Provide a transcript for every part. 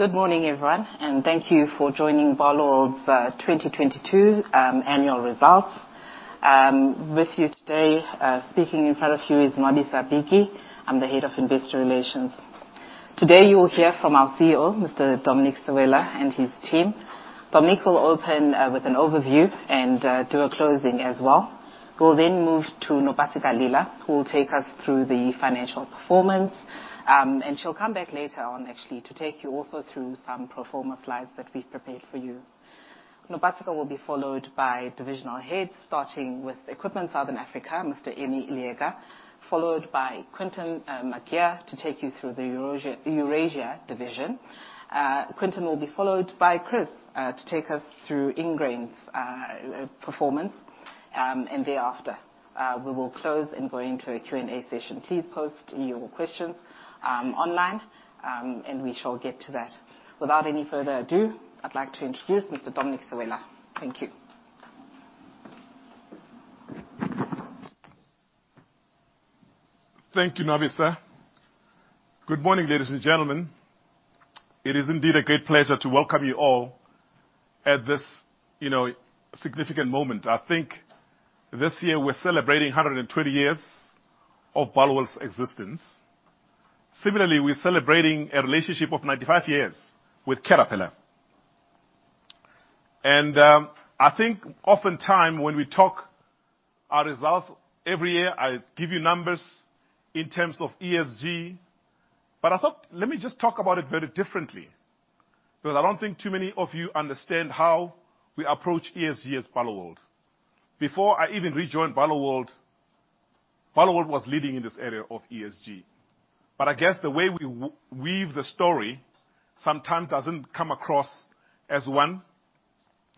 Good morning, everyone, and thank you for joining Barloworld's 2022 annual results. With you today, speaking in front of you is Nwabisa Piki. I'm the Head of Investor Relations. Today you will hear from our CEO, Mr. Dominic Sewela, and his team. Dominic will open with an overview and do a closing as well. We'll then move to Nopasika Lila, who will take us through the financial performance. She'll come back later on actually to take you also through some pro forma slides that we've prepared for you. Nopasika will be followed by divisional heads, starting with Equipment Southern Africa, Mr. Emmy Leeka, followed by Quinton McGeer to take you through the Eurasia division. Quinton will be followed by Chris to take us through Ingrain's performance. Thereafter, we will close and go into a Q&A session. Please post your questions, online, and we shall get to that. Without any further ado, I'd like to introduce Mr. Dominic Sewela. Thank you. Thank you, Nwabisa. Good morning, ladies and gentlemen. It is indeed a great pleasure to welcome you all at this, you know, significant moment. I think this year we're celebrating 120 years of Barloworld's existence. Similarly, we're celebrating a relationship of 95 years with Caterpillar. I think oftentimes when we talk our results every year, I give you numbers in terms of ESG. I thought, let me just talk about it very differently, because I don't think too many of you understand how we approach ESG as Barloworld. Before I even rejoined Barloworld was leading in this area of ESG. I guess the way we weave the story sometimes doesn't come across as one.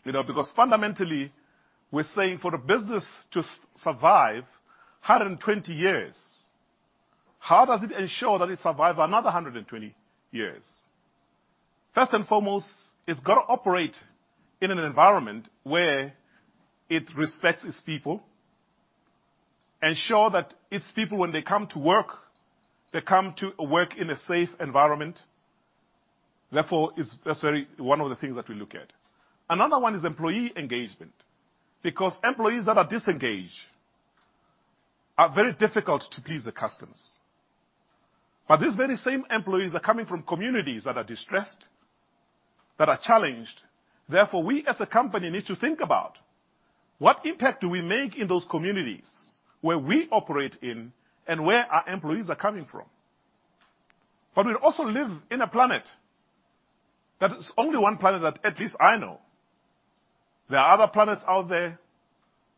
You know, because fundamentally, we're saying for the business to survive 120 years, how does it ensure that it survive another 120 years? First and foremost, it's gotta operate in an environment where it respects its people, ensure that its people, when they come to work, they come to work in a safe environment. Therefore, it's necessary, one of the things that we look at. Another one is employee engagement, because employees that are disengaged are very difficult to please the customers. These very same employees are coming from communities that are distressed, that are challenged. Therefore, we as a company need to think about what impact do we make in those communities where we operate in and where our employees are coming from. We also live in a planet that is only one planet that at least I know. There are other planets out there,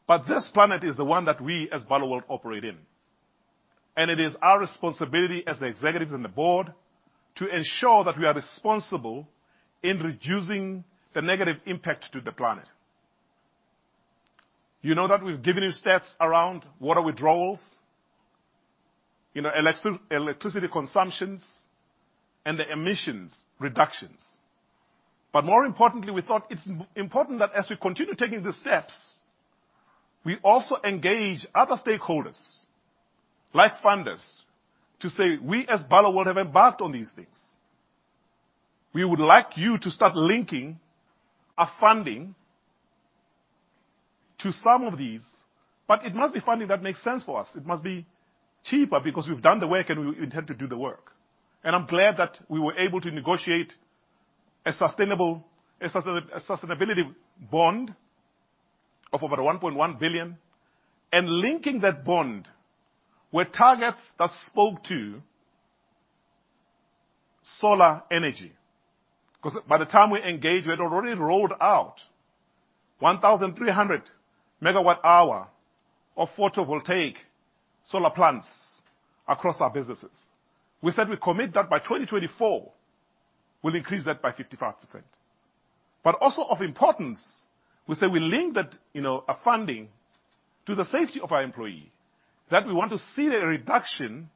but this planet is the one that we as Barloworld operate in. It is our responsibility as the executives and the board to ensure that we are responsible in reducing the negative impact to the planet. You know that we've given you steps around water withdrawals, you know, electricity consumptions, and the emissions reductions. More importantly, we thought it's important that as we continue taking the steps, we also engage other stakeholders, like funders, to say, "We as Barloworld have embarked on these things. We would like you to start linking our funding to some of these, but it must be funding that makes sense for us. It must be cheaper because we've done the work and we intend to do the work." I'm glad that we were able to negotiate a sustainability bond of over 1.1 billion, and linking that bond with targets that spoke to solar energy. Because by the time we engaged, we had already rolled out 1,300 MWh of photovoltaic solar plants across our businesses. We said we commit that by 2024, we'll increase that by 55%. Also of importance, we say we link that, you know, our funding to the safety of our employee, that we want to see a reduction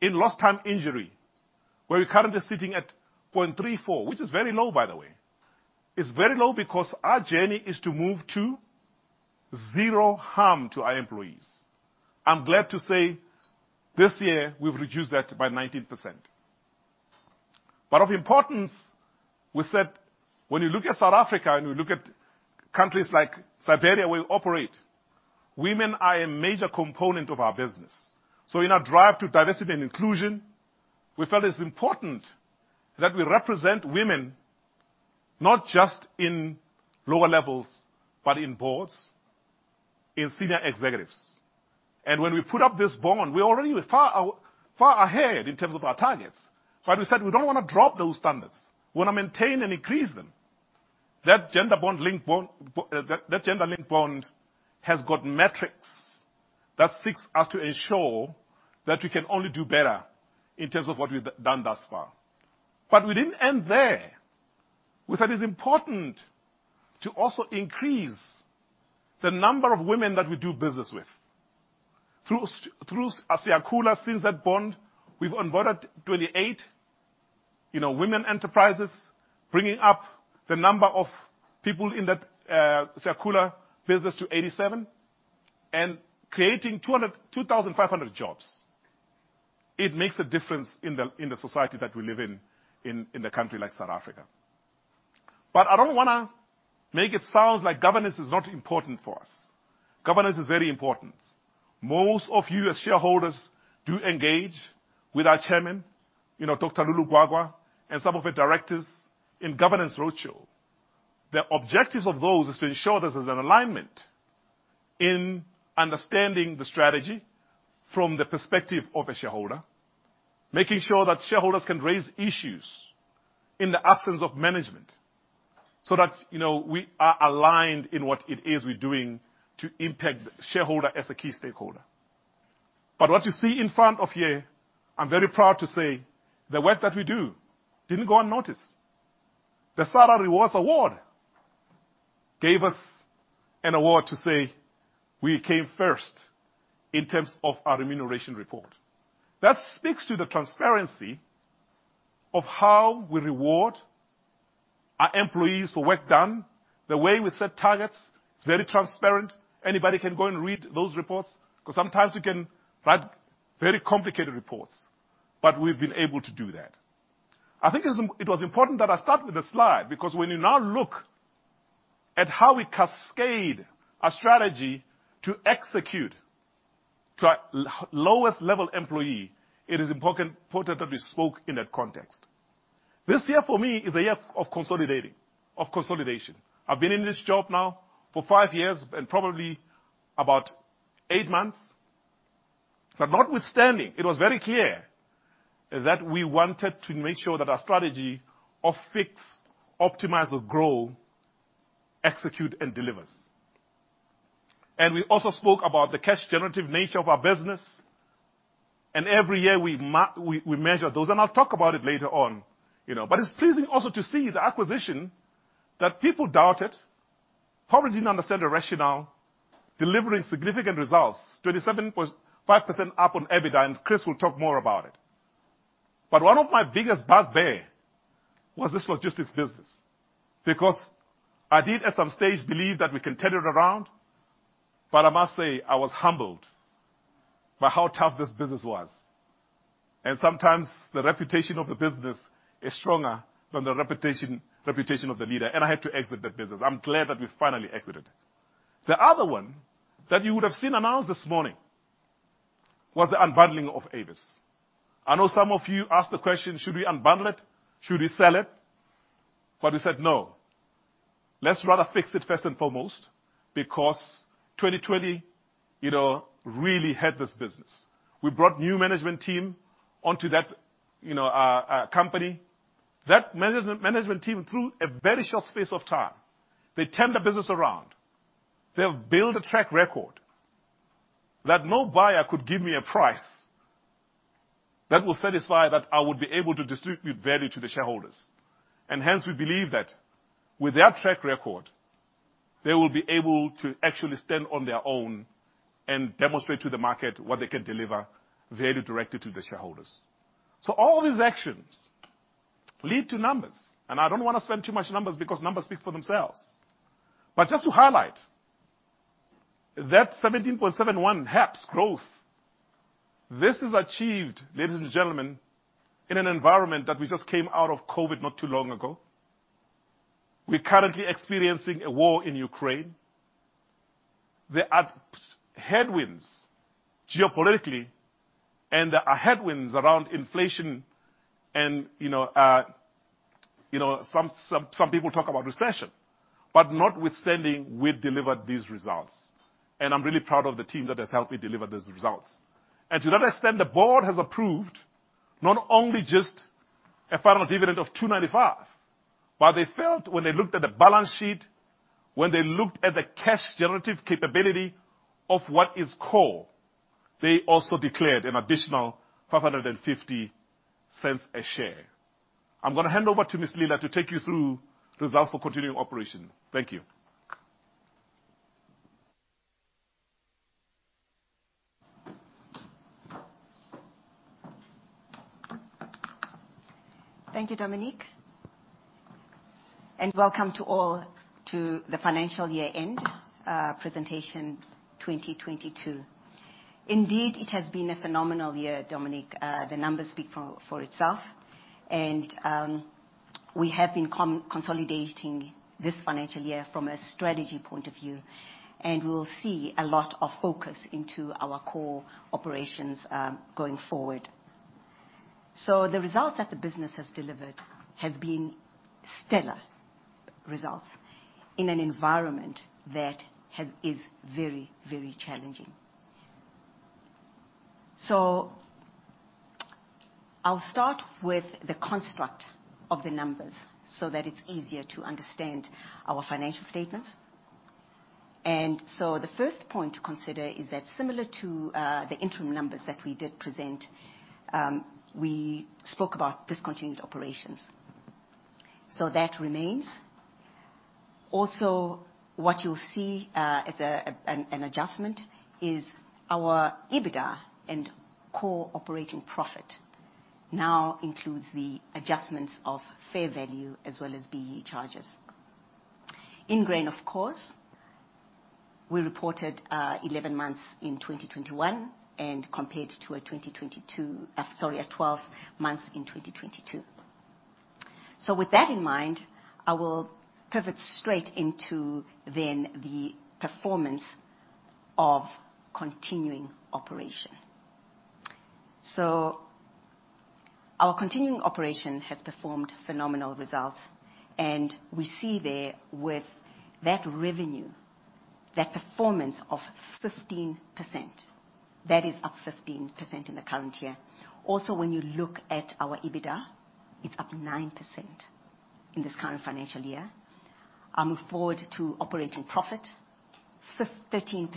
in lost time injury, where we're currently sitting at 0.34, which is very low by the way. It's very low because our journey is to move to zero harm to our employees. I'm glad to say this year we've reduced that by 19%. Of importance, we said, when you look at South Africa and you look at countries like Siberia where we operate, women are a major component of our business. In our drive to diversity and inclusion, we felt it's important that we represent women not just in lower levels, but in boards, in senior executives. When we put up this bond, we already were far ahead in terms of our targets. We said we don't wanna drop those standards. We wanna maintain and increase them. That gender bond link bond, that gender linked bond has got metrics that seeks us to ensure that we can only do better in terms of what we've done thus far. We didn't end there. We said it's important to also increase the number of women that we do business with. Through Siyakhula since that bond, we've onboarded 28, you know, women enterprises, bringing up the number of people in that Siyakhula business to 87. Creating 2,500 jobs, it makes a difference in the society that we live in a country like South Africa. I don't wanna make it sound like governance is not important for us. Governance is very important. Most of you as shareholders do engage with our Chairman, you know, Dr. Lulu Gwagwa, and some of the directors in governance roadshow. The objectives of those is to ensure there's an alignment in understanding the strategy from the perspective of a shareholder. Making sure that shareholders can raise issues in the absence of management, so that, you know, we are aligned in what it is we're doing to impact shareholder as a key stakeholder. What you see in front of here, I'm very proud to say the work that we do didn't go unnoticed. The SARA Remuneration Report Award gave us an award to say we came first in terms of our remuneration report. That speaks to the transparency of how we reward our employees for work done, the way we set targets, it's very transparent. Anybody can go and read those reports, 'cause sometimes we can write very complicated reports, but we've been able to do that. I think it was important that I start with the slide, because when you now look at how we cascade our strategy to execute to our lowest level employee, it is important that we spoke in that context. This year, for me, is a year of consolidating, of consolidation. I've been in this job now for five years and probably about eight months. Notwithstanding, it was very clear that we wanted to make sure that our strategy of fix, optimize or grow, execute and delivers. We also spoke about the cash generative nature of our business, and every year we measure those, and I'll talk about it later on, you know. It's pleasing also to see the acquisition that people doubted, probably didn't understand the rationale, delivering significant results, 27.5% up on EBITDA. Chris will talk more about it. One of my biggest bugbear was this logistics business, because I did at some stage believe that we can turn it around. I must say I was humbled by how tough this business was. Sometimes the reputation of the business is stronger than the reputation of the leader. I had to exit that business. I'm glad that we finally exited. The other one that you would have seen announced this morning was the unbundling of Avis. I know some of you asked the question, should we unbundle it? Should we sell it? We said, "No, let's rather fix it first and foremost," because 2020, you know, really hurt this business. We brought new management team onto that, you know, company. That management team, through a very short space of time, they turned the business around. They have built a track record that no buyer could give me a price that will satisfy that I would be able to distribute value to the shareholders. Hence, we believe that with their track record, they will be able to actually stand on their own and demonstrate to the market what they can deliver value directly to the shareholders. All these actions lead to numbers, and I don't wanna spend too much numbers because numbers speak for themselves. Just to highlight that 17.71% HEPS growth, this is achieved, ladies and gentlemen, in an environment that we just came out of COVID not too long ago. We're currently experiencing a war in Ukraine. There are headwinds geopolitically and there are headwinds around inflation and, you know, you know, some people talk about recession. Notwithstanding, we've delivered these results, and I'm really proud of the team that has helped me deliver those results. To that extent, the board has approved not only just a final dividend of 2.95, but they felt when they looked at the balance sheet, when they looked at the cash generative capability of what is core, they also declared an additional 0.50 a share. I'm gonna hand over to Ms. Lila to take you through results for continuing operation. Thank you. Thank you, Dominic, and welcome to all to the financial year-end presentation 2022. Indeed, it has been a phenomenal year, Dominic. The numbers speak for itself and we have been consolidating this financial year from a strategy point of view, and we'll see a lot of focus into our core operations going forward. The results that the business has delivered has been stellar results in an environment that is very challenging. I'll start with the construct of the numbers so that it's easier to understand our financial statements. The first point to consider is that similar to the interim numbers that we did present, we spoke about discontinued operations. That remains. What you'll see, as an adjustment is our EBITDA and core operating profit. Now includes the adjustments of fair value as well as B-BBEE charges. Ingrain, of course, we reported 11 months in 2021 and compared to a 2022. A 12 months in 2022. With that in mind, I will pivot straight into then the performance of continuing operation. Our continuing operation has performed phenomenal results, and we see there with that revenue, that performance of 15%. That is up 15% in the current year. When you look at our EBITDA, it's up 9% in this current financial year. Forward to operating profit, 13%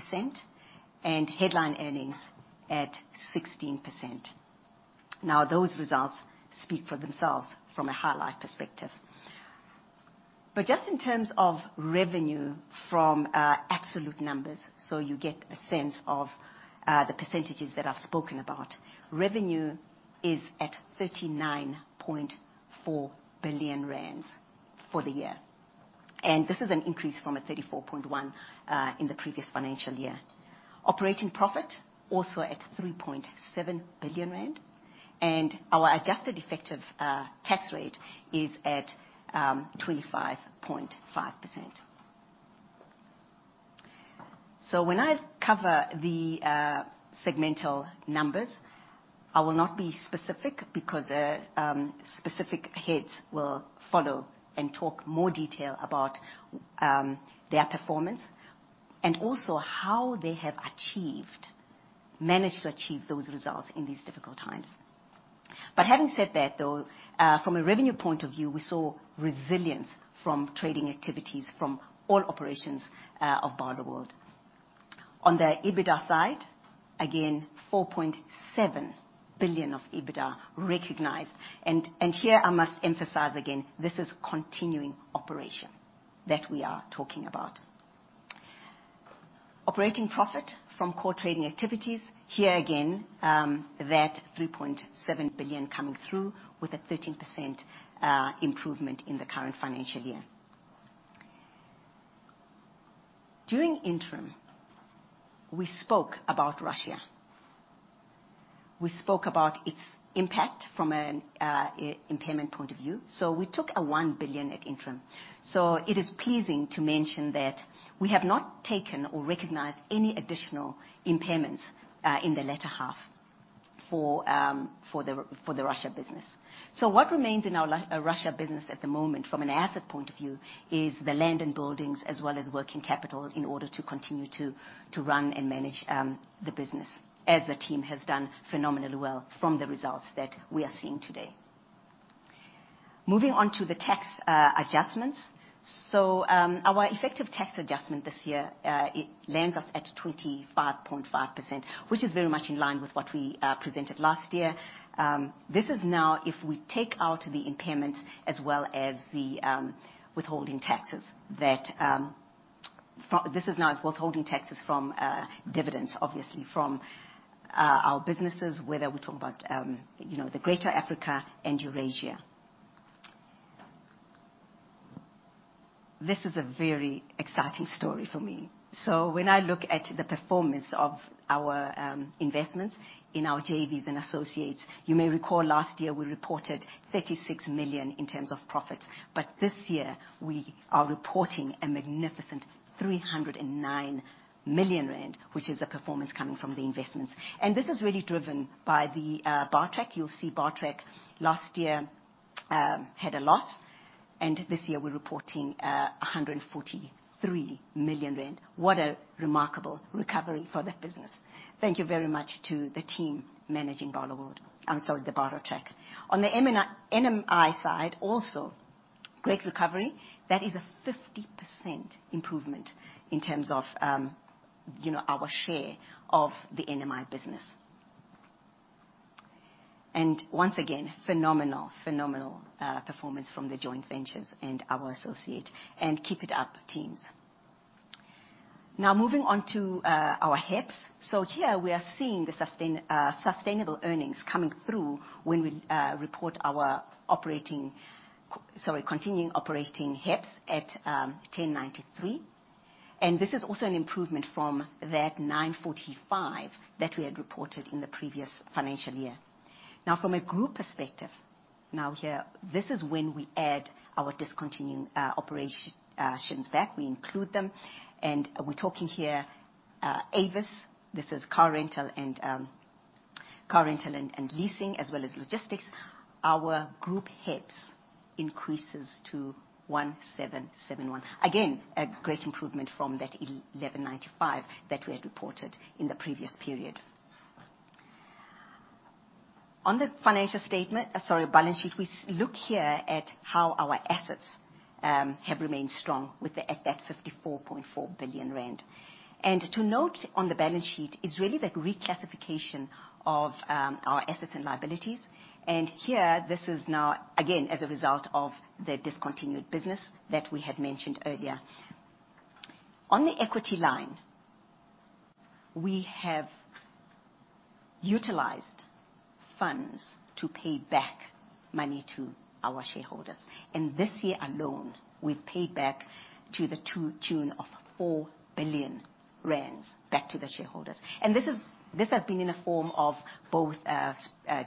and headline earnings at 16%. Those results speak for themselves from a highlight perspective. Just in terms of revenue from absolute numbers, so you get a sense of the percentages that I've spoken about, revenue is at 39.4 billion rand for the year. This is an increase from 34.1 billion in the previous financial year. Operating profit also at 3.7 billion rand, and our adjusted effective tax rate is at 25.5%. When I cover the segmental numbers, I will not be specific because the specific heads will follow and talk more detail about their performance and also how they have achieved, managed to achieve those results in these difficult times. Having said that, though, from a revenue point of view, we saw resilience from trading activities from all operations of Barloworld. On the EBITDA side, again, 4.7 billion of EBITDA recognized. Here I must emphasize again, this is continuing operation that we are talking about. Operating profit from core trading activities, here again, that 3.7 billion coming through with a 13% improvement in the current financial year. During interim, we spoke about Russia. We spoke about its impact from an impairment point of view, so we took a 1 billion at interim. It is pleasing to mention that we have not taken or recognized any additional impairments in the latter half for the Russia business. What remains in our Russia business at the moment from an asset point of view is the land and buildings as well as working capital in order to continue to run and manage the business as the team has done phenomenally well from the results that we are seeing today. Moving on to the tax adjustments. Our effective tax adjustment this year, it lands us at 25.5%, which is very much in line with what we presented last year. This is now if we take out the impairments as well as the withholding taxes that this is now withholding taxes from dividends, obviously, from our businesses, whether we talk about, you know, the Greater Africa and Eurasia. This is a very exciting story for me. When I look at the performance of our investments in our JVs and associates, you may recall last year we reported 36 million in terms of profits, this year we are reporting a magnificent 309 million rand, which is a performance coming from the investments. This is really driven by the Bartrac. You'll see Bartrac last year had a loss, this year we're reporting 143 million rand. What a remarkable recovery for that business. Thank you very much to the team managing Barloworld. I'm sorry, the Bartrac. On the M&I, NMI side, also great recovery. That is a 50% improvement in terms of, you know, our share of the NMI business. Once again, phenomenal performance from the joint ventures and our associate, keep it up teams. Moving on to our HEPS. Here we are seeing the sustainable earnings coming through when we report our operating, continuing operating HEPS at 1,093, this is also an improvement from that 945 that we had reported in the previous financial year. From a group perspective, here, this is when we add our discontinuing operations back. We include them, we're talking here Avis. This is car rental and leasing as well as logistics. Our group HEPS increases to 1,771. Again, a great improvement from that 1,195 that we had reported in the previous period. On the financial statement, balance sheet, we look here at how our assets have remained strong with the, at 54.4 billion rand. To note on the balance sheet is really that reclassification of our assets and liabilities. Here this is now, again, as a result of the discontinued business that we had mentioned earlier. On the equity line. We have utilized funds to pay back money to our shareholders. This year alone, we've paid back to the tune of 4 billion rand back to the shareholders. This has been in the form of both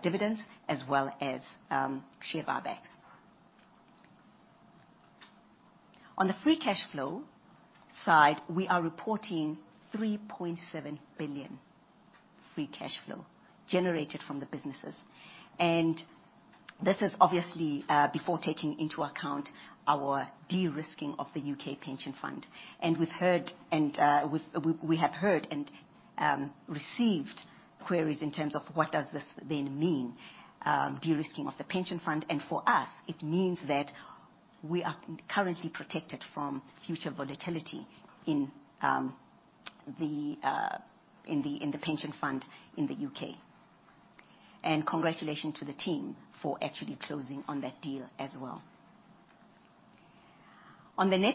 dividends as well as share buybacks. On the free cash flow side, we are reporting 3.7 billion free cash flow generated from the businesses. This is obviously before taking into account our de-risking of the U.K. pension fund. We have heard and received queries in terms of what does this then mean de-risking of the pension fund. For us, it means that we are currently protected from future volatility in the pension fund in the U.K. Congratulations to the team for actually closing on that deal as well. On the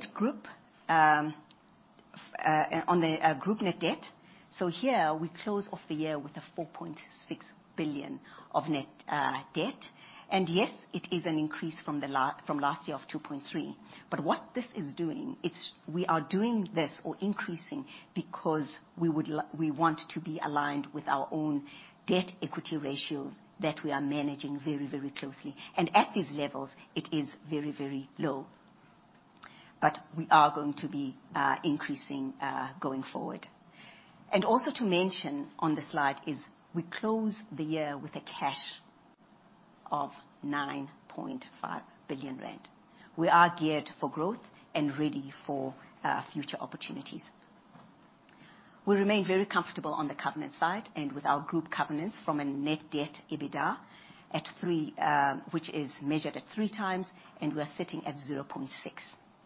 group net debt. Here we close off the year with 4.6 billion of net debt. Yes, it is an increase from last year of 2.3 billion, but what this is doing, it's we are doing this or increasing because we want to be aligned with our own debt-equity ratios that we are managing very, very closely. At these levels, it is very, very low. We are going to be increasing going forward. Also to mention on the slide is we close the year with a cash of 9.5 billion rand. We are geared for growth and ready for future opportunities. We remain very comfortable on the covenant side and with our group covenants from a net debt EBITDA at 3, which is measured at 3x, and we're sitting at 0.6.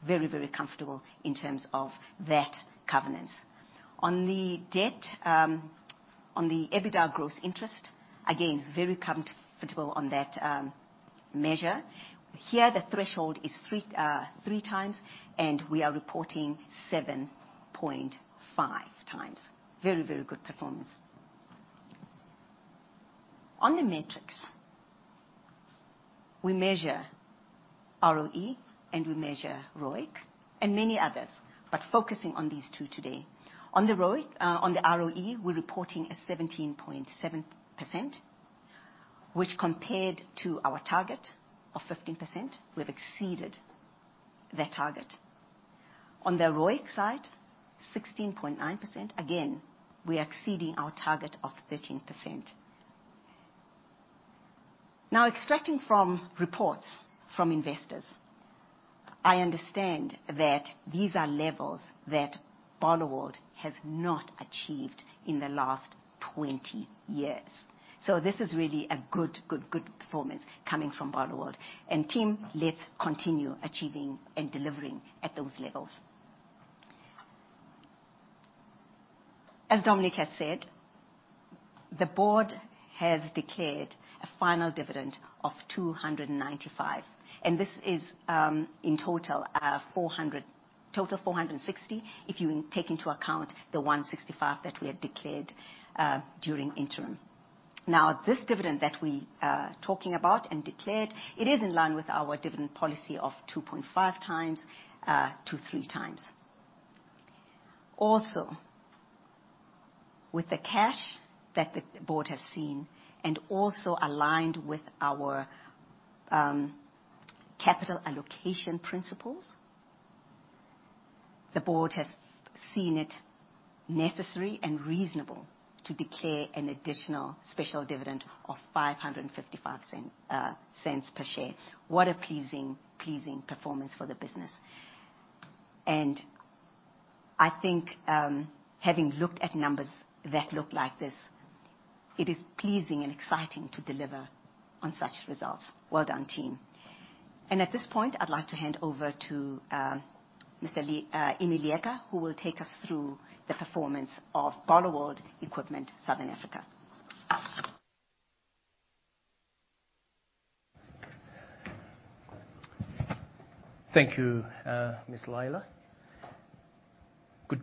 Very, very comfortable in terms of that covenants. On the debt, on the EBITDA gross interest, again, very comfortable on that measure. Here, the threshold is 3x, and we are reporting 7.5x. Very, very good performance. On the metrics, we measure ROE and we measure ROIC and many others, focusing on these two today. On the ROIC, on the ROE, we're reporting a 17.7%, which compared to our target of 15%, we've exceeded the target. On the ROIC side, 16.9%. Again, we are exceeding our target of 13%. Extracting from reports from investors, I understand that these are levels that Barloworld has not achieved in the last 20 years. This is really a good performance coming from Barloworld. Team, let's continue achieving and delivering at those levels. As Dominic has said, the board has declared a final dividend of 295, this is in total 460 if you take into account the 165 that we have declared during interim. This dividend that we talking about and declared, it is in line with our dividend policy of 2.5x-3x. With the cash that the board has seen and also aligned with our capital allocation principles, the board has seen it necessary and reasonable to declare an additional special dividend of 5.55 per share. What a pleasing performance for the business. I think, having looked at numbers that look like this, it is pleasing and exciting to deliver on such results. Well done, team. At this point, I'd like to hand over to Mr. Leeka, who will take us through the performance of Barloworld Equipment Southern Africa. Thank you, Ms. Lila. Good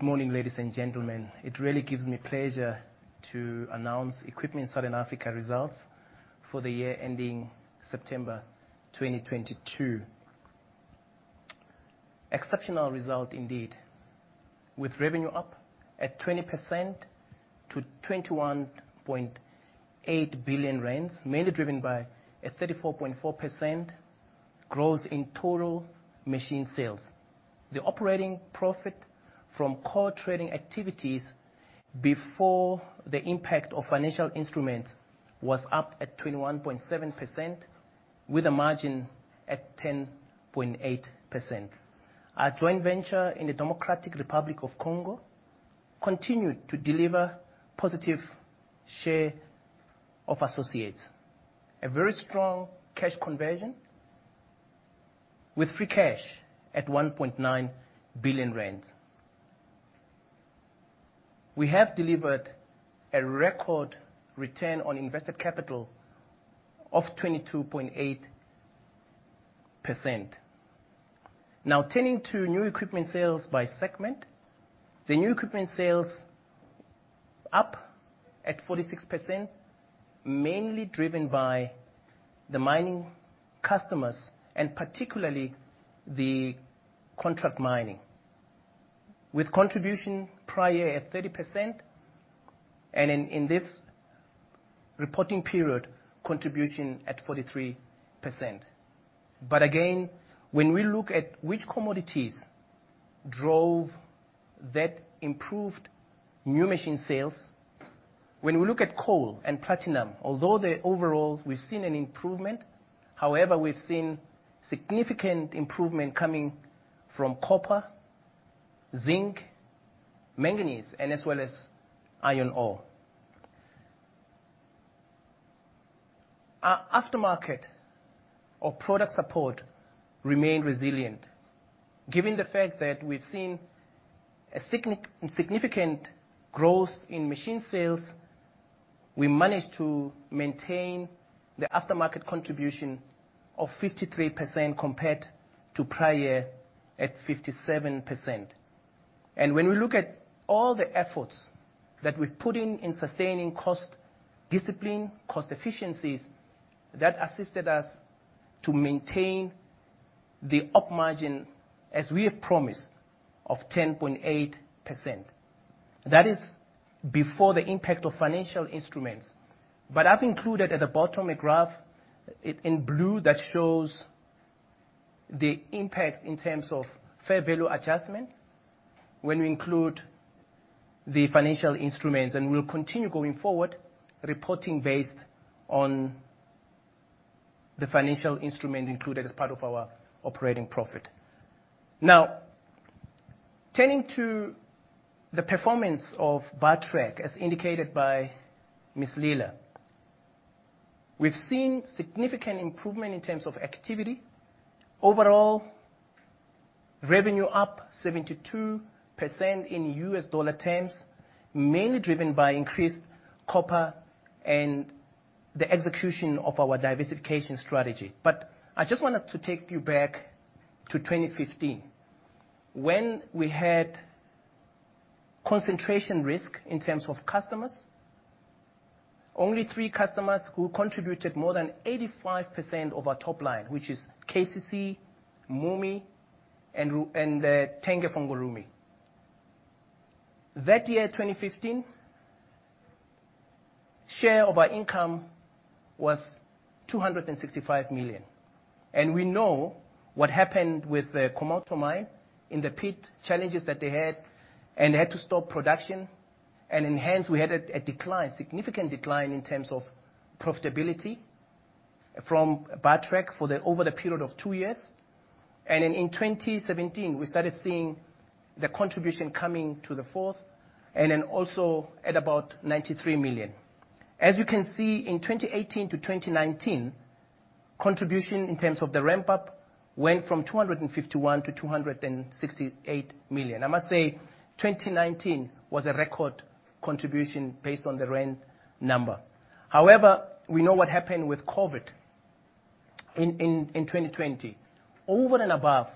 morning, ladies and gentlemen. It really gives me pleasure to announce Equipment Southern Africa results for the year ending September 2022. Exceptional result indeed, with revenue up at 20% to 21.8 billion rand, mainly driven by a 34.4% growth in total machine sales. The operating profit from core trading activities before the impact of financial instruments was up at 21.7% with a margin at 10.8%. Our joint venture in the Democratic Republic of Congo continued to deliver positive share of associates. A very strong cash conversion with free cash at 1.9 billion rand. We have delivered a record return on invested capital of 22.8%. Now turning to new equipment sales by segment. The new equipment sales up at 46%, mainly driven by the mining customers, and particularly the contract mining. With contribution prior at 30%, and in this reporting period, contribution at 43%. Again, when we look at which commodities drove that improved new machine sales, when we look at coal and platinum, although the overall we've seen an improvement, however, we've seen significant improvement coming from copper, zinc, manganese, and as well as iron ore. Our aftermarket or product support remained resilient. Given the fact that we've seen a significant growth in machine sales, we managed to maintain the aftermarket contribution of 53% compared to prior at 57%. When we look at all the efforts that we've put in sustaining cost discipline, cost efficiencies, that assisted us to maintain the up margin as we have promised of 10.8%. I've included at the bottom a graph in blue that shows the impact in terms of fair value adjustment when we include the financial instruments, and we'll continue going forward, reporting based on the financial instrument included as part of our operating profit. Turning to the performance of Bartrac, as indicated by Ms. Lila. We've seen significant improvement in terms of activity. Overall, revenue up 72% in US dollar terms, mainly driven by increased copper and the execution of our diversification strategy. I just wanted to take you back to 2015 when we had concentration risk in terms of customers. Only three customers who contributed more than 85% of our top line, which is KCC, Ruashi Mining, and Tenke Fungurume Mining. That year, 2015, share of our income was 265 million. We know what happened with the Kamoto Mine and the pit challenges that they had, and they had to stop production. Hence, we had a significant decline in terms of profitability from Bartrac over the period of two years. In 2017, we started seeing the contribution coming to the fourth, at about 93 million. As you can see, in 2018 to 2019, contribution in terms of the ramp up went from 251 million to 268 million. I must say, 2019 was a record contribution based on the rand number. However, we know what happened with COVID in 2020. Over and above,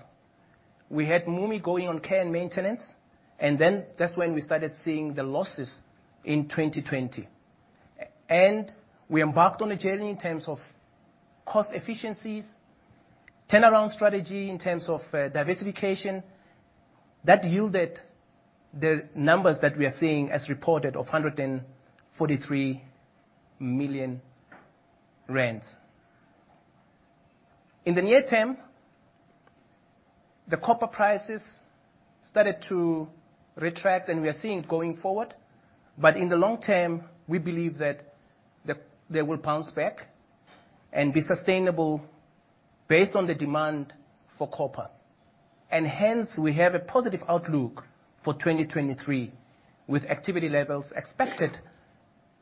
we had Ruashi Mining going on care and maintenance, that's when we started seeing the losses in 2020. We embarked on a journey in terms of cost efficiencies, turnaround strategy in terms of diversification, that yielded the numbers that we are seeing as reported of 143 million rand. In the near term, the copper prices started to retract, and we are seeing it going forward. In the long term, we believe that they will bounce back and be sustainable based on the demand for copper. Hence, we have a positive outlook for 2023, with activity levels expected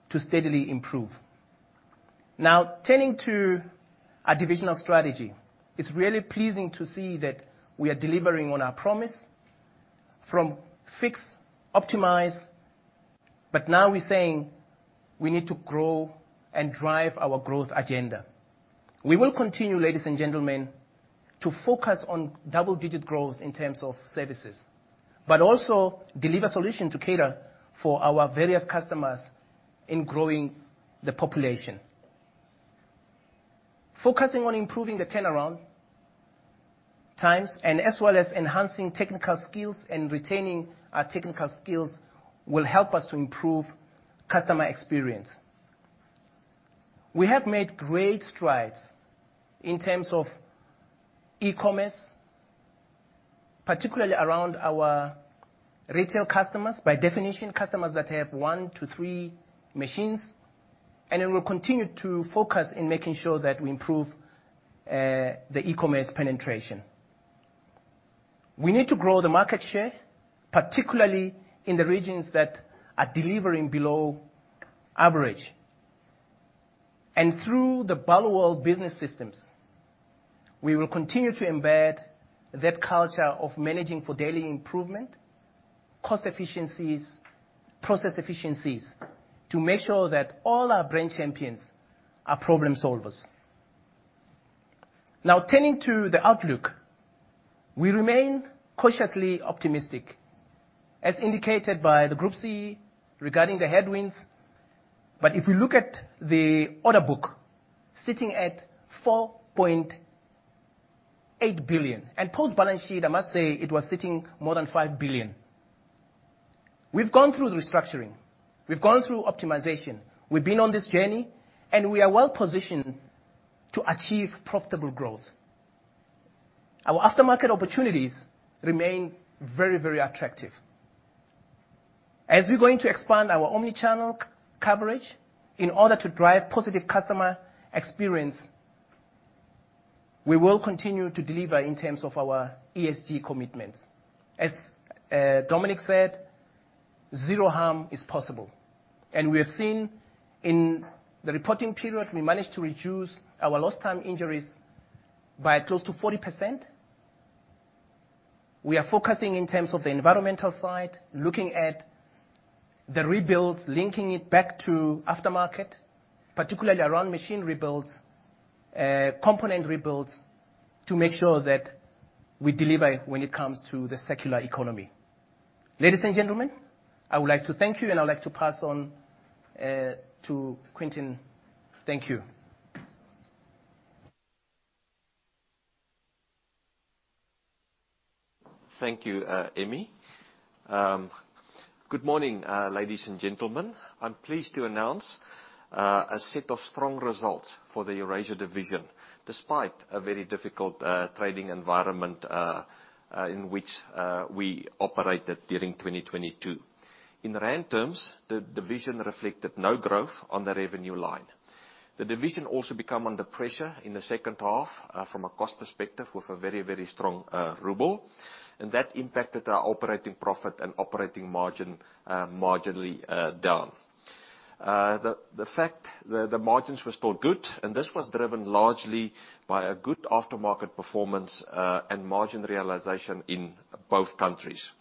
to steadily improve. Now, turning to our divisional strategy. It's really pleasing to see that we are delivering on our promise from fix, optimize, but now we're saying we need to grow and drive our growth agenda. We will continue, ladies and gentlemen, to focus on double-digit growth in terms of services, but also deliver solution to cater for our various customers in growing the population. Focusing on improving the turnaround times and as well as enhancing technical skills and retaining our technical skills will help us to improve customer experience. We have made great strides in terms of e-commerce, particularly around our retail customers, by definition, customers that have one to three machines, and then we'll continue to focus in making sure that we improve the e-commerce penetration. We need to grow the market share, particularly in the regions that are delivering below average. Through the Barloworld Business Systems, we will continue to embed that culture of managing for daily improvement Cost efficiencies, process efficiencies to make sure that all our brain champions are problem solvers. Now turning to the outlook, we remain cautiously optimistic as indicated by the Group C regarding the headwinds. If we look at the order book sitting at 4.8 billion, and post-balance sheet, I must say it was sitting more than 5 billion. We've gone through the restructuring, we've gone through optimization, we've been on this journey, and we are well-positioned to achieve profitable growth. Our aftermarket opportunities remain very, very attractive. We're going to expand our omnichannel coverage in order to drive positive customer experience, we will continue to deliver in terms of our ESG commitments. Dominic said, zero harm is possible, and we have seen in the reporting period, we managed to reduce our lost time injuries by close to 40%. We are focusing in terms of the environmental side, looking at the rebuilds, linking it back to aftermarket, particularly around machine rebuilds, component rebuilds, to make sure that we deliver when it comes to the secular economy. Ladies and Gentlemen, I would like to thank you, and I'd like to pass on to Quinton. Thank you. Thank you, Emmy. Good morning, ladies and gentlemen. I'm pleased to announce a set of strong results for the Equipment Eurasia, despite a very difficult trading environment in which we operated during 2022. In rand terms, the division reflected no growth on the revenue line. The division also become under pressure in the second half from a cost perspective with a very strong ruble, and that impacted our operating profit and operating margin marginally down. The margins were still good, and this was driven largely by a good aftermarket performance and margin realization in both countries.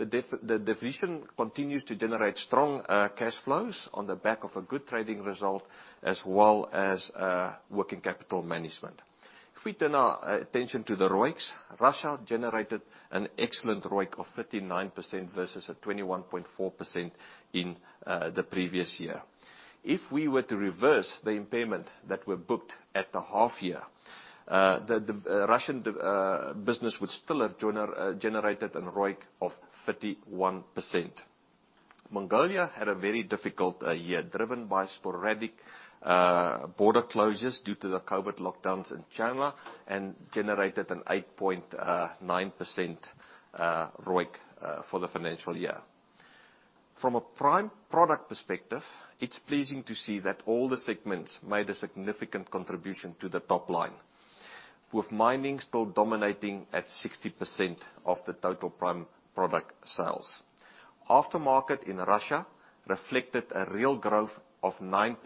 The division continues to generate strong cash flows on the back of a good trading result as well as working capital management. If we turn our attention to the ROIs, Russia generated an excellent ROI of 39% versus a 21.4% in the previous year. If we were to reverse the impairment that were booked at the half year, the Russian business would still have generated an ROI of 31%. Mongolia had a very difficult year driven by sporadic border closures due to the COVID lockdowns in China, and generated an 8.9% ROI for the financial year. From a prime product perspective, it's pleasing to see that all the segments made a significant contribution to the top line, with mining still dominating at 60% of the total prime product sales. Aftermarket in Russia reflected a real growth of 9%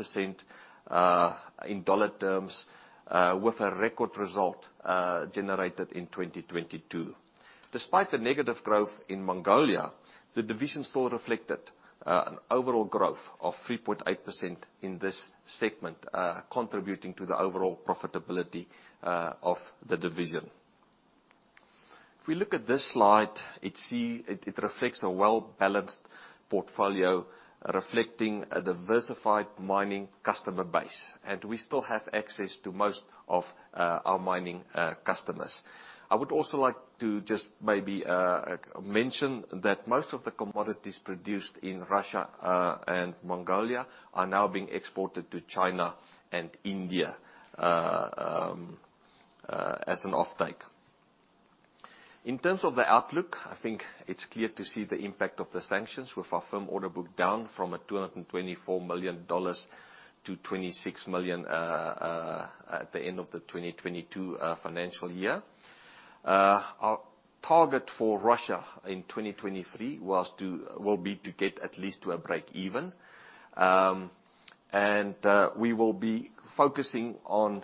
in dollar terms, with a record result generated in 2022. Despite the negative growth in Mongolia, the division still reflected an overall growth of 3.8% in this segment, contributing to the overall profitability of the division. If we look at this slide, it reflects a well-balanced portfolio, reflecting a diversified mining customer base. We still have access to most of our mining customers. I would also like to just maybe mention that most of the commodities produced in Russia and Mongolia are now being exported to China and India as an offtake. In terms of the outlook, I think it's clear to see the impact of the sanctions with our firm order book down from a $224 million-$26 million at the end of the 2022 financial year. Our target for Russia in 2023 will be to get at least to a break even. We will be focusing on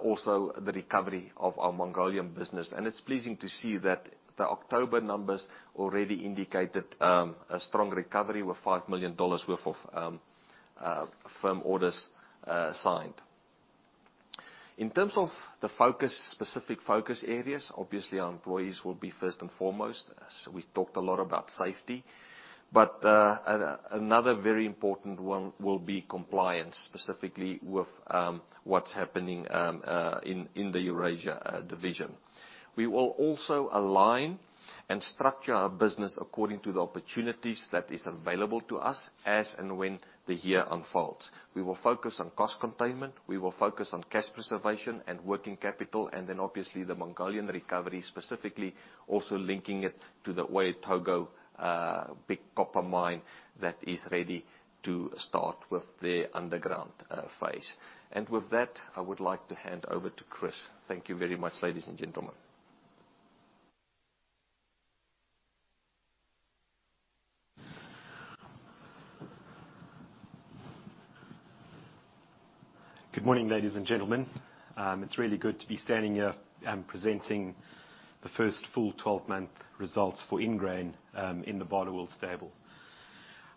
also the recovery of our Mongolian business. It's pleasing to see that the October numbers already indicated a strong recovery with $5 million worth of firm orders signed. In terms of the focus, specific focus areas, obviously our employees will be first and foremost. We've talked a lot about safety, but another very important one will be compliance, specifically with what's happening in the Eurasia division. We will also align and structure our business according to the opportunities that is available to us as and when the year unfolds. We will focus on cost containment. We will focus on cash preservation and working capital, then obviously the Mongolian recovery specifically also linking it to the Oyu Tolgoi big copper mine that is ready to start with the underground phase. With that, I would like to hand over to Chris. Thank you very much, ladies and gentlemen. Good morning, ladies and gentlemen. It's really good to be standing here and presenting the first full 12-month results for Ingrain in the Barloworld stable.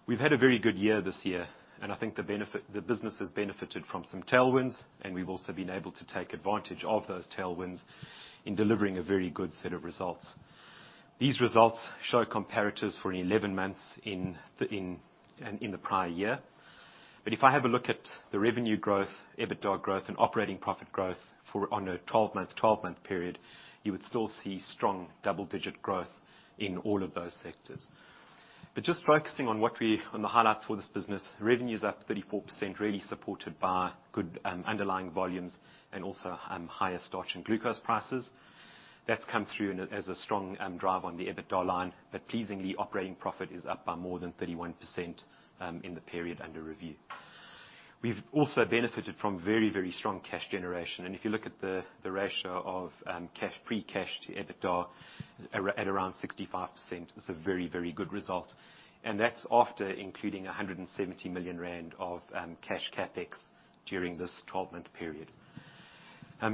We've had a very good year this year, and I think the business has benefited from some tailwinds, and we've also been able to take advantage of those tailwinds in delivering a very good set of results. These results show comparatives for 11 months in the prior year. If I have a look at the revenue growth, EBITDA growth and operating profit growth for on a 12-month period, you would still see strong double-digit growth in all of those sectors. Just focusing on what we, on the highlights for this business, revenue is up 34%, really supported by good underlying volumes and also higher starch and glucose prices. That's come through in, as a strong drive on the EBITDA line, but pleasingly, operating profit is up by more than 31% in the period under review. We've also benefited from very, very strong cash generation, and if you look at the ratio of cash, pre-cash to EBITDA at around 65% is a very, very good result. And that's after including 170 million rand of cash CapEx during this 12-month period.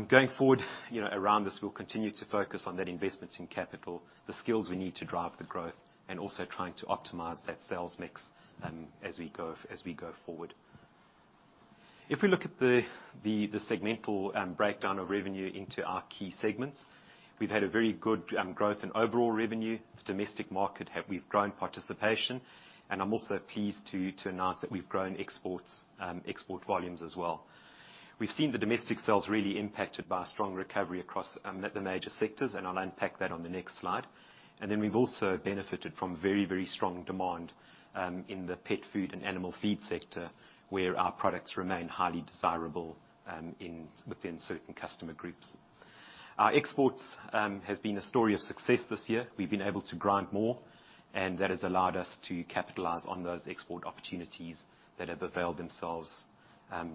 Going forward, you know, around this, we'll continue to focus on that investment in capital, the skills we need to drive the growth, and also trying to optimize that sales mix as we go forward. If we look at the segmental breakdown of revenue into our key segments, we've had a very good growth in overall revenue. We've grown participation, and I'm also pleased to announce that we've grown exports, export volumes as well. We've seen the domestic sales really impacted by a strong recovery across the major sectors, and I'll unpack that on the next slide. We've also benefited from very strong demand in the pet food and animal feed sector, where our products remain highly desirable within certain customer groups. Our exports has been a story of success this year. We've been able to grind more, and that has allowed us to capitalize on those export opportunities that have availed themselves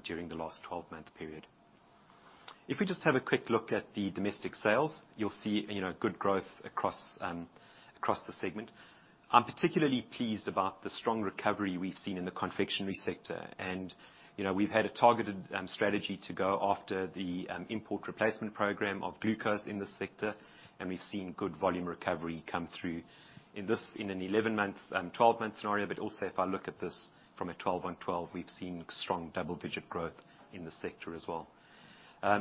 during the last 12-month period. If we just have a quick look at the domestic sales, you'll see, you know, good growth across the segment. I'm particularly pleased about the strong recovery we've seen in the confectionery sector. You know, we've had a targeted strategy to go after the import replacement program of glucose in this sector, and we've seen good volume recovery come through. In this, in an 11-month, 12-month scenario, but also if I look at this from a 12 on 12, we've seen strong double-digit growth in the sector as well.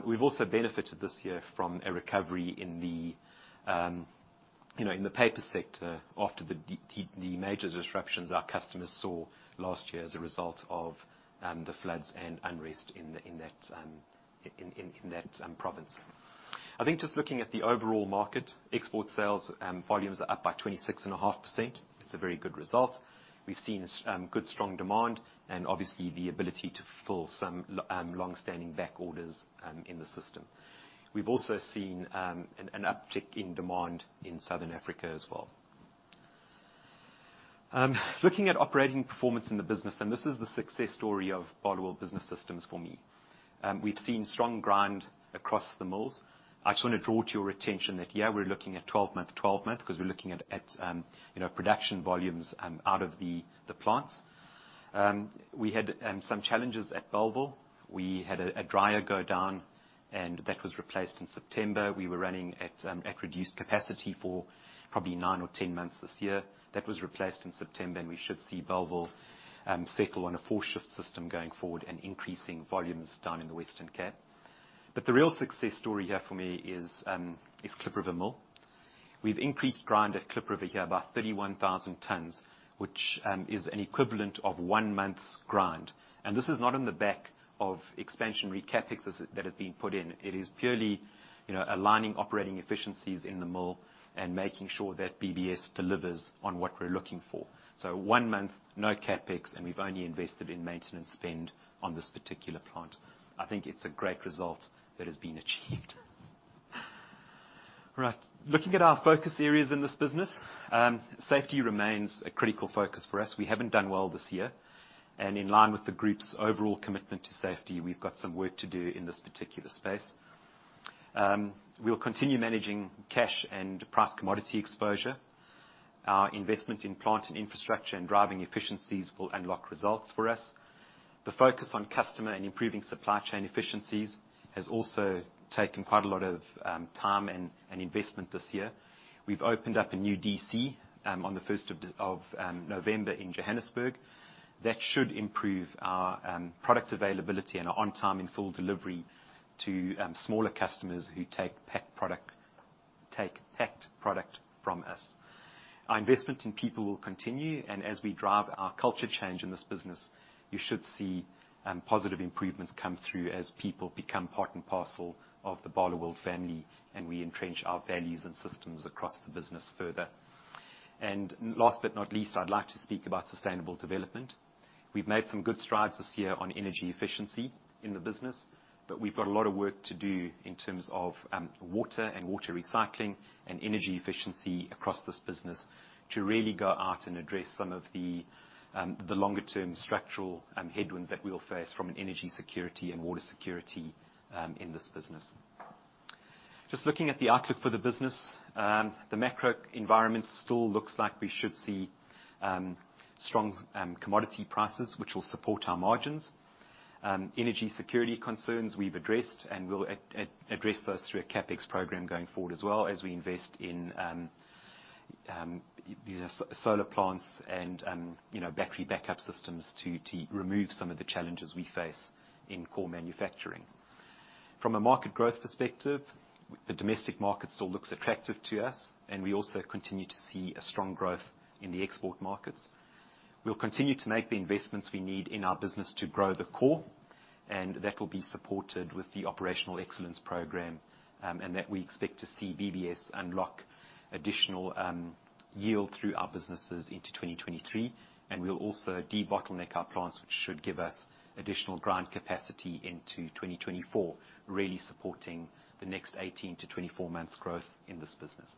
We've also benefited this year from a recovery in the, you know, in the paper sector after the major disruptions our customers saw last year as a result of the floods and unrest in that, in that province. I think just looking at the overall market, export sales, volumes are up by 26.5%. It's a very good result. We've seen good strong demand and obviously the ability to fill some long-standing back orders in the system. We've also seen an uptick in demand in Southern Africa as well. Looking at operating performance in the business, this is the success story of Barloworld Business System for me. We've seen strong grind across the mills. I just wanna draw to your attention that, yeah, we're looking at 12-month to 12-month, 'cause we're looking at, you know, production volumes out of the plants. We had some challenges at Bellville. We had a dryer go down, and that was replaced in September. We were running at reduced capacity for probably nine or 10 months this year. That was replaced in September. We should see Bellville settle on a four-shift system going forward and increasing volumes down in the Western Cape. The real success story here for me is Klip River Mill. We've increased grind at Klip River here by 31,000 tons, which is an equivalent of one month's grind. This is not on the back of expansionary CapExs that has been put in. It is purely, you know, aligning operating efficiencies in the mill and making sure that BBS delivers on what we're looking for. One month, no CapEx, and we've only invested in maintenance spend on this particular plant. I think it's a great result that has been achieved. All right. Looking at our focus areas in this business, safety remains a critical focus for us. We haven't done well this year. In line with the group's overall commitment to safety, we've got some work to do in this particular space. We'll continue managing cash and price commodity exposure. Our investment in plant and infrastructure and driving efficiencies will unlock results for us. The focus on customer and improving supply chain efficiencies has also taken quite a lot of time and investment this year. We've opened up a new D.C. on the first of November in Johannesburg. That should improve our product availability and our on-time in full delivery to smaller customers who take packed product from us. Our investment in people will continue. As we drive our culture change in this business, you should see positive improvements come through as people become part and parcel of the Barloworld family. We entrench our values and systems across the business further. Last but not least, I'd like to speak about sustainable development. We've made some good strides this year on energy efficiency in the business. We've got a lot of work to do in terms of water and water recycling and energy efficiency across this business to really go out and address some of the longer-term structural headwinds that we'll face from an energy security and water security in this business. Just looking at the outlook for the business, the macro environment still looks like we should see strong commodity prices, which will support our margins. Energy security concerns, we've addressed, and we'll address those through a CapEx program going forward as well as we invest in, you know, solar plants and, you know, battery backup systems to remove some of the challenges we face in core manufacturing. From a market growth perspective, the domestic market still looks attractive to us, and we also continue to see a strong growth in the export markets. We'll continue to make the investments we need in our business to grow the core, and that will be supported with the operational excellence program, and that we expect to see BBS unlock additional yield through our businesses into 2023. We'll also debottleneck our plants, which should give us additional grant capacity into 2024, really supporting the next 18 to 24 months' growth in this business.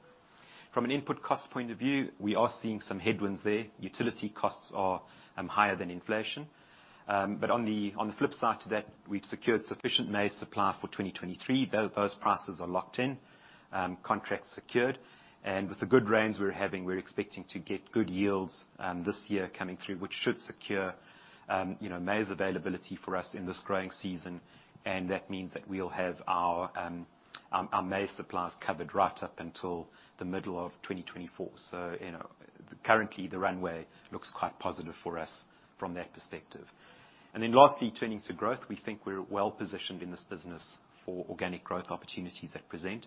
From an input cost point of view, we are seeing some headwinds there. Utility costs are higher than inflation. On the flip side to that, we've secured sufficient maize supply for 2023. Those prices are locked in, contracts secured. With the good rains we're having, we're expecting to get good yields this year coming through, which should secure, you know, maize availability for us in this growing season. That means that we'll have our maize supplies covered right up until the middle of 2024. You know, currently, the runway looks quite positive for us from that perspective. Lastly, turning to growth. We think we're well-positioned in this business for organic growth opportunities that present.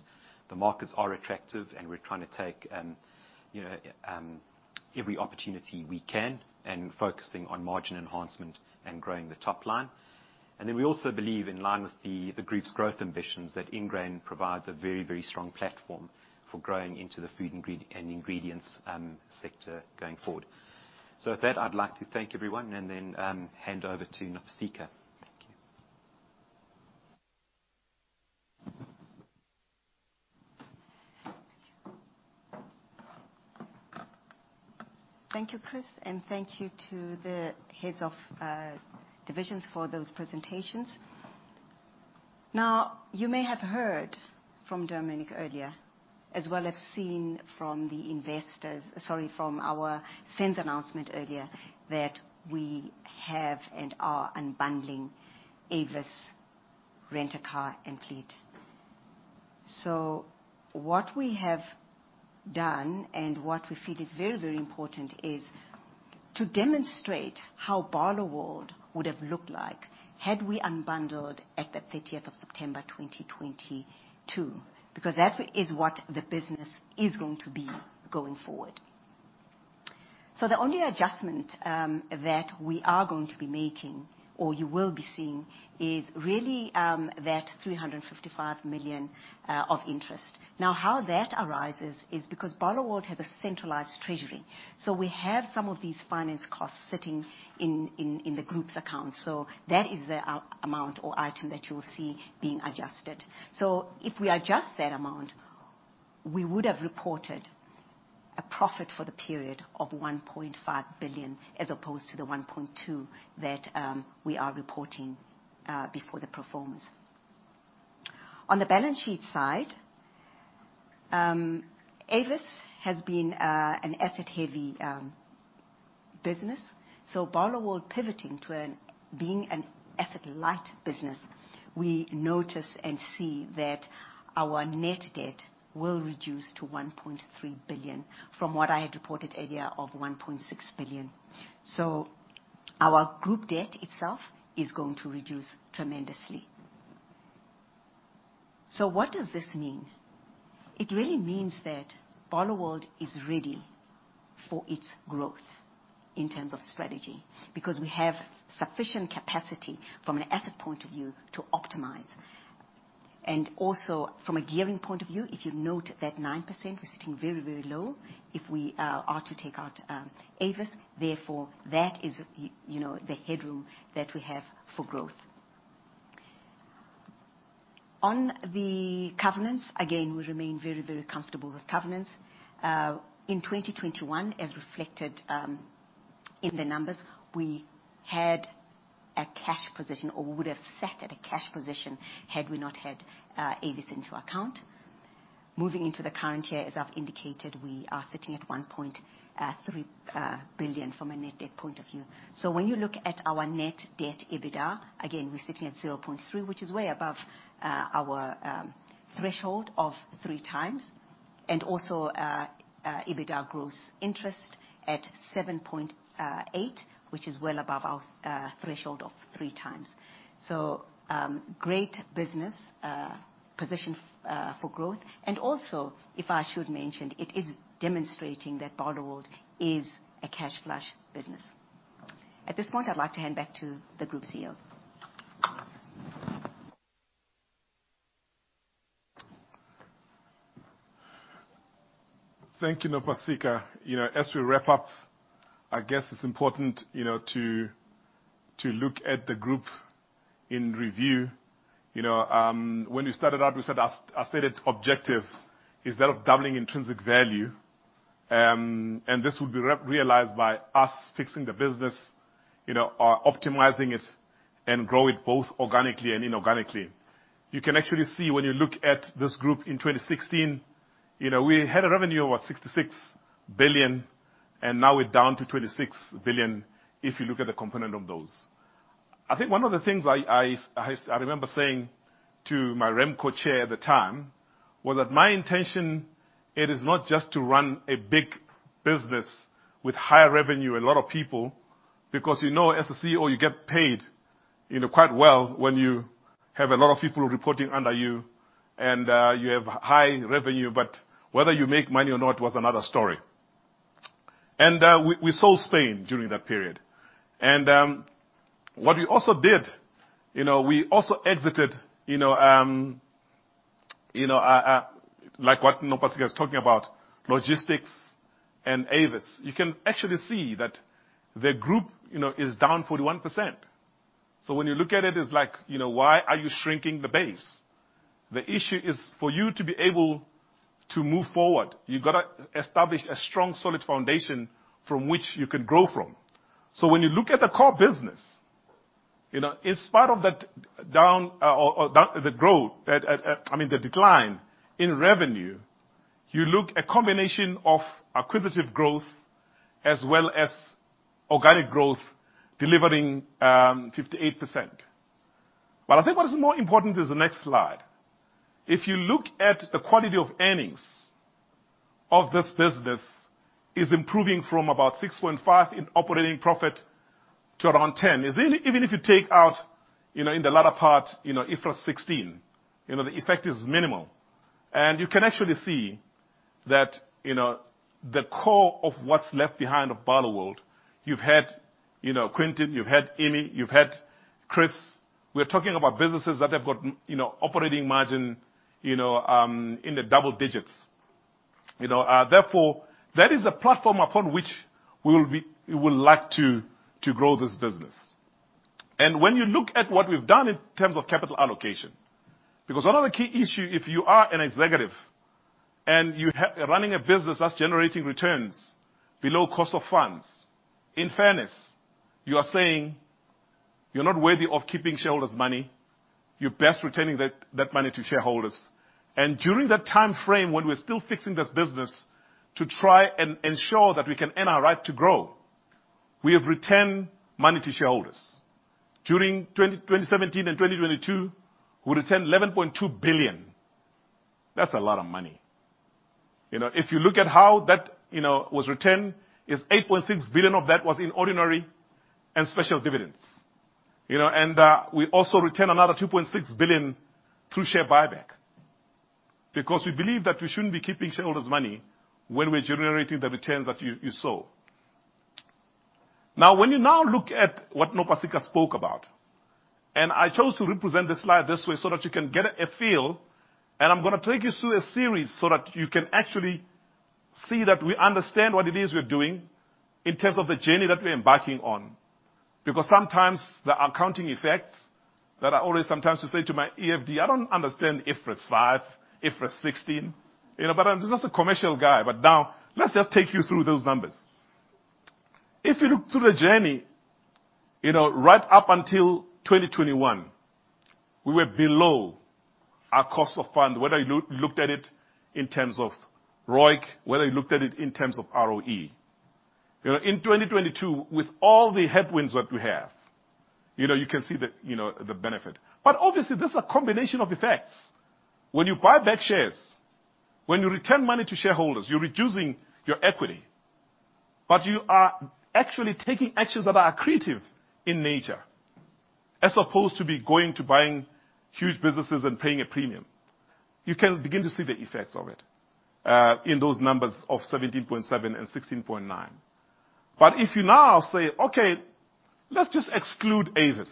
The markets are attractive, we're trying to take, you know, every opportunity we can, and focusing on margin enhancement and growing the top line. We also believe in line with the group's growth ambitions that Ingrain provides a very, very strong platform for growing into the food ingredients sector going forward. With that, I'd like to thank everyone and then hand over to Nopasika. Thank you. Thank you, Chris, thank you to the heads of divisions for those presentations. You may have heard from Dominic earlier, as well as seen from our SENS announcement earlier, that we have and are unbundling Avis Rent a Car & Fleet. What we have done and what we feel is very, very important is to demonstrate how Barloworld would have looked like had we unbundled at the 30th of September 2022, because that is what the business is going to be going forward. The only adjustment that we are going to be making, or you will be seeing, is really that 355 million of interest. How that arises is because Barloworld has a centralized treasury, we have some of these finance costs sitting in the group's account. That is the amount or item that you will see being adjusted. If we adjust that amount, we would have reported a profit for the period of 1.5 billion, as opposed to the 1.2 billion that we are reporting before the pro formas. On the balance sheet side, Avis has been an asset-heavy business. Barloworld pivoting to being an asset-light business, we notice and see that our net debt will reduce to 1.3 billion from what I had reported earlier of 1.6 billion. Our group debt itself is going to reduce tremendously. What does this mean? It really means that Barloworld is ready for its growth in terms of strategy, because we have sufficient capacity from an asset point of view to optimize. Also from a gearing point of view, if you note that 9%, we're sitting very, very low if we are to take out Avis, therefore that is, you know, the headroom that we have for growth. On the covenants, again, we remain very, very comfortable with covenants. In 2021, as reflected in the numbers, we had a cash position, or we would have sat at a cash position had we not had Avis into account. Moving into the current year, as I've indicated, we are sitting at 1.3 billion from a net debt point of view. When you look at our net debt EBITDA, again, we're sitting at 0.3, which is way above our threshold of 3x, and also, EBITDA gross interest at 7.8, which is well above our threshold of 3x. Great business position for growth. Also, if I should mention, it is demonstrating that Barloworld is a cash flush business. At this point, I'd like to hand back to the Group CEO. Thank you, Nopasika. You know, as we wrap up, I guess it's important, you know, to look at the group in review. You know, when we started out, we said our stated objective is that of doubling intrinsic value. This will be re-realized by us fixing the business, you know, optimizing it and grow it both organically and inorganically. You can actually see when you look at this group in 2016, you know, we had a revenue of 66 billion. Now we're down to 26 billion if you look at the component of those. I think one of the things I remember saying to my Remco chair at the time, was that my intention, it is not just to run a big business with high revenue, a lot of people, because you know, as a CEO, you get paid, you know, quite well when you have a lot of people reporting under you and you have high revenue. Whether you make money or not was another story. We sold Spain during that period. What we also did, you know, we also exited, you know, like what Nopasika is talking about, logistics and Avis. You can actually see that the group, you know, is down 41%. When you look at it's like, you know, why are you shrinking the base? The issue is for you to be able to move forward, you gotta establish a strong, solid foundation from which you can grow from. When you look at the core business, you know, in spite of that down or the growth, I mean the decline in revenue, you look a combination of acquisitive growth as well as organic growth delivering 58%. I think what is more important is the next slide. If you look at the quality of earnings of this business is improving from about 6.5 in operating profit to around 10. Even if you take out, you know, in the latter part, you know, IFRS 16, you know, the effect is minimal. You can actually see that, you know, the core of what's left behind of Barloworld, you've had, you know, Quinton, you've had Emmy, you've had Chris. We're talking about businesses that have got, you know, operating margin, you know, in the double digits. You know, therefore, that is a platform upon which we would like to grow this business. When you look at what we've done in terms of capital allocation, because one of the key issue, if you are an executive and you running a business that's generating returns below cost of funds, in fairness, you are saying you're not worthy of keeping shareholders' money. You're best returning that money to shareholders. During that timeframe, when we're still fixing this business to try and ensure that we can earn our right to grow, we have returned money to shareholders. During 2017 and 2022, we returned 11.2 billion. That's a lot of money. You know, if you look at how that, you know, was returned, is 8.6 billion of that was in ordinary and special dividends. You know, we also returned another 2.6 billion through share buyback, because we believe that we shouldn't be keeping shareholders' money when we're generating the returns that you saw. When you now look at what Nopasika spoke about, I chose to represent this slide this way so that you can get a feel. I'm going to take you through a series so that you can actually see that we understand what it is we're doing in terms of the journey that we're embarking on. Sometimes the accounting effects that I always sometimes to say to my EFD, "I don't understand IFRS 5, IFRS 16, you know, but I'm just a commercial guy." Let's just take you through those numbers. If you look through the journey, you know, right up until 2021, we were below our cost of fund, whether you looked at it in terms of ROIC, whether you looked at it in terms of ROE. You know, in 2022, with all the headwinds that we have, you know, you can see the, you know, the benefit. Obviously, this is a combination of effects. When you buy back shares, when you return money to shareholders, you're reducing your equity, but you are actually taking actions that are accretive in nature, as opposed to be going to buying huge businesses and paying a premium. You can begin to see the effects of it in those numbers of 17.7% and 16.9%. If you now say, "Okay, let's just exclude Avis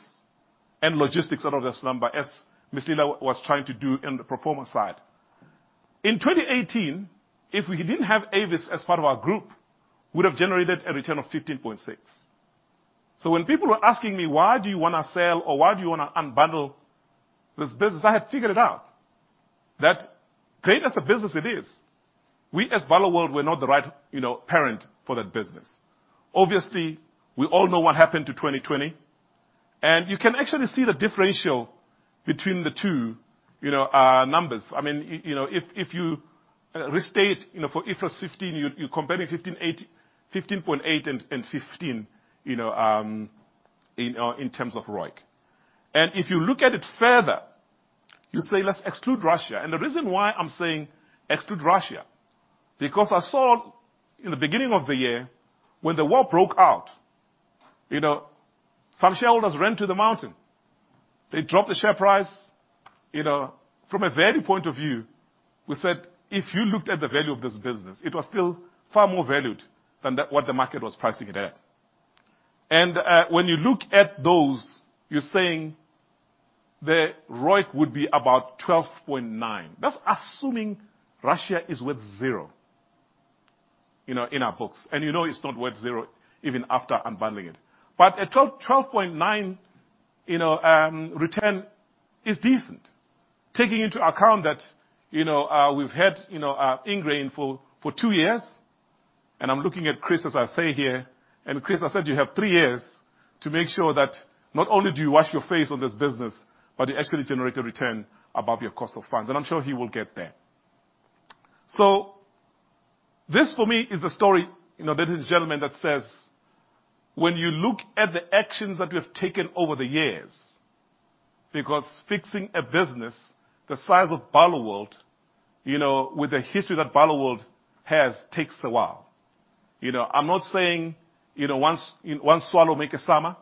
and logistics out of this number," as Ms. Lila was trying to do in the performance side. In 2018, if we didn't have Avis as part of our group, we'd have generated a return of 15.6%. When people were asking me, "Why do you wanna sell or why do you wanna unbundle this business?" I had figured it out, that great as a business it is, we as Barloworld were not the right, you know, parent for that business. Obviously, we all know what happened to 2020, and you can actually see the differential between the two, you know, numbers. I mean, you know, if you restate, you know, for IFRS 15, you're comparing 15.8% and 15%, you know, in terms of ROIC. If you look at it further, you say, "Let's exclude Russia." The reason why I'm saying exclude Russia, because I saw in the beginning of the year, when the war broke out, you know, some shareholders ran to the mountain. They dropped the share price. You know, from a value point of view, we said, if you looked at the value of this business, it was still far more valued than what the market was pricing it at. When you look at those, you're saying the ROIC would be about 12.9. That's assuming Russia is worth 0, you know, in our books, and you know it's not worth 0 even after unbundling it. At 12.9, you know, return is decent. Taking into account that, you know, we've had, you know, Ingrain for two years, I'm looking at Chris as I say here, Chris, I said, "You have three years to make sure that not only do you wash your face on this business, but you actually generate a return above your cost of funds." I'm sure he will get there. This for me is a story, you know, ladies and gentlemen, that says, when you look at the actions that we have taken over the years, because fixing a business the size of Barloworld, you know, with the history that Barloworld has, takes a while. I'm not saying, you know, one swallow make a summer.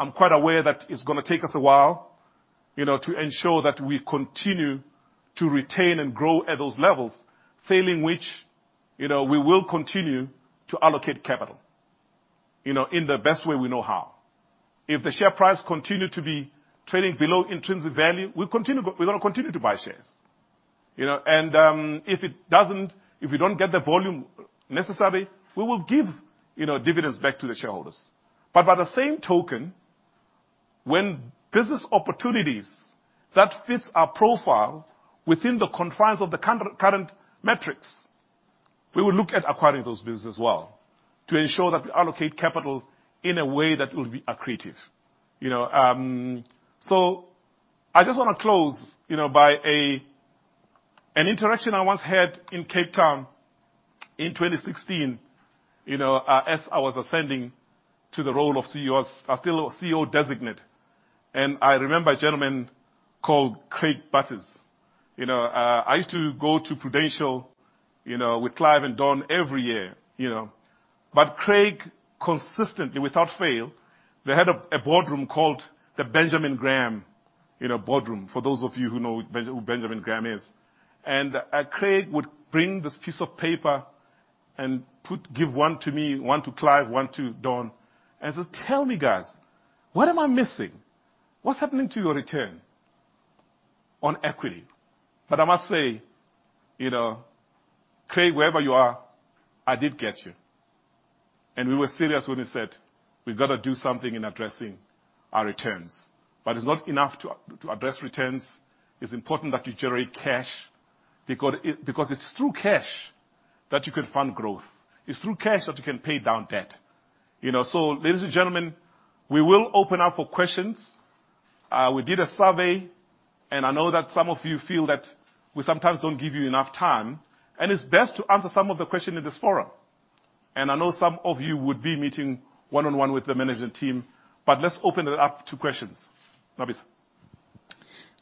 I'm quite aware that it's gonna take us a while, you know, to ensure that we continue to retain and grow at those levels. Failing which, you know, we will continue to allocate capital, you know, in the best way we know how. If the share price continue to be trading below intrinsic value, we're gonna continue to buy shares. If it doesn't, if we don't get the volume necessary, we will give, you know, dividends back to the shareholders. By the same token, when business opportunities that fits our profile within the confines of the current metrics, we will look at acquiring those business as well to ensure that we allocate capital in a way that will be accretive. You know, I just wanna close, you know, by an interaction I once had in Cape Town in 2016, you know, as I was ascending to the role of CEO. I was still a CEO designate. I remember a gentleman called Craig Butters. You know, I used to go to Prudential, you know, with Clive and Don every year, you know. Craig consistently, without fail, they had a boardroom called the Benjamin Graham, you know, boardroom, for those of you who know who Benjamin Graham is. Craig would bring this piece of paper and put... give one to me, one to Clive, one to Don, and say, "Tell me, guys, what am I missing? What's happening to your Return on Equity?" I must say, you know, Craig, wherever you are, I did get you. We were serious when we said, "We've gotta do something in addressing our returns." It's not enough to address returns. It's important that you generate cash because it's through cash that you can fund growth. It's through cash that you can pay down debt. You know, ladies and gentlemen, we will open up for questions. We did a survey, and I know that some of you feel that we sometimes don't give you enough time, and it's best to answer some of the question in this forum. I know some of you would be meeting one-on-one with the management team, but let's open it up to questions. Nwabisa.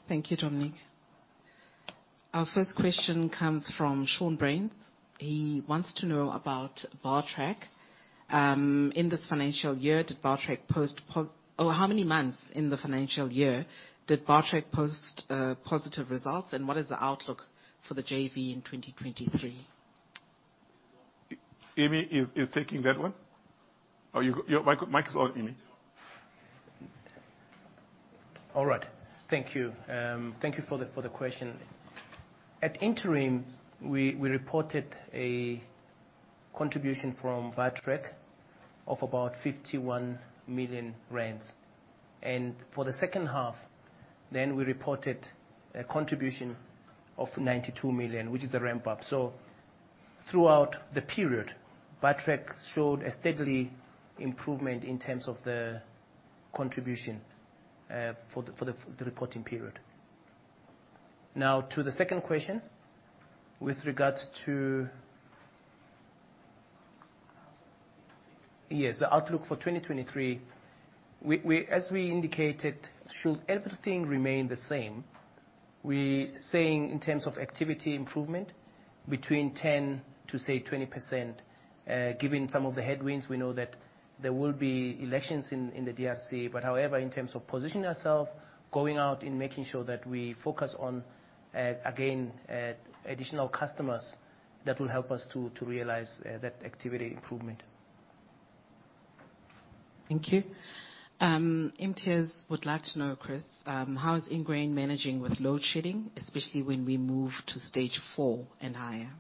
Thank you, Dominic. Our first question comes from Sean Brain. He wants to know about Bartrac. In this financial year, did Bartrac post or how many months in the financial year did Bartrac post positive results, and what is the outlook for the JV in 2023? Emmy is taking that one. Or you, mic is on, Emmy. All right. Thank you. Thank you for the question. At interim, we reported a contribution from Bartrac of about 51 million rand. For the second half, we reported a contribution of 92 million, which is a ramp up. Throughout the period, Bartrac showed a steadily improvement in terms of the contribution for the reporting period. Now to the second question with regards to... Outlook for 2023. Yes, the outlook for 2023. We, as we indicated, should everything remain the same, we saying in terms of activity improvement between 10% to, say, 20%, given some of the headwinds, we know that there will be elections in the DRC. However, in terms of positioning ourselves, going out and making sure that we focus on, again, additional customers that will help us to realize that activity improvement. Thank you. MTS would like to know, Chris, how is Ingrain managing with load shedding, especially when we move to stage four and higher?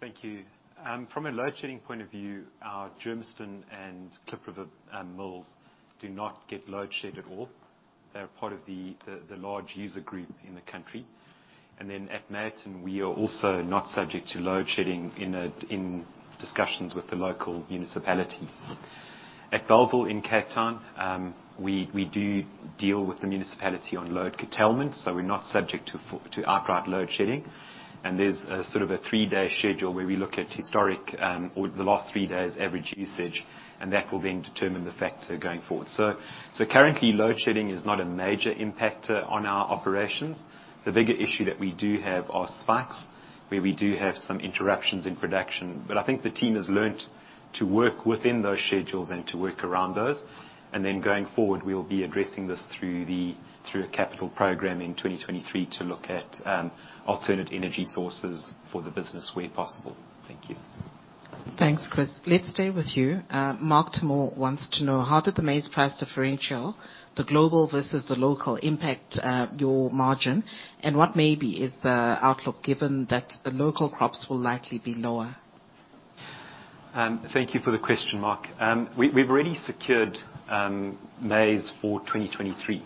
Thank you. From a load shedding point of view, our Germiston and Klip River mills do not get load shed at all. They're part of the large user group in the country. Then at Matlafatše, we are also not subject to load shedding in discussions with the local municipality. At Bellville in Cape Town, we do deal with the municipality on load curtailment, so we're not subject to outright load shedding. There's a sort of a three-day schedule where we look at historic, or the last three days average usage, and that will then determine the factor going forward. Currently load shedding is not a major impact on our operations. The bigger issue that we do have are spikes, where we do have some interruptions in production. I think the team has learned to work within those schedules and to work around those. Going forward, we will be addressing this through the, through a capital program in 2023 to look at alternate energy sources for the business where possible. Thank you. Thanks, Chris. Let's stay with you. Mark Timor wants to know, how did the maize price differential, the global versus the local impact, your margin, and what maybe is the outlook given that the local crops will likely be lower. Thank you for the question, Mark. We've already secured maize for 2023.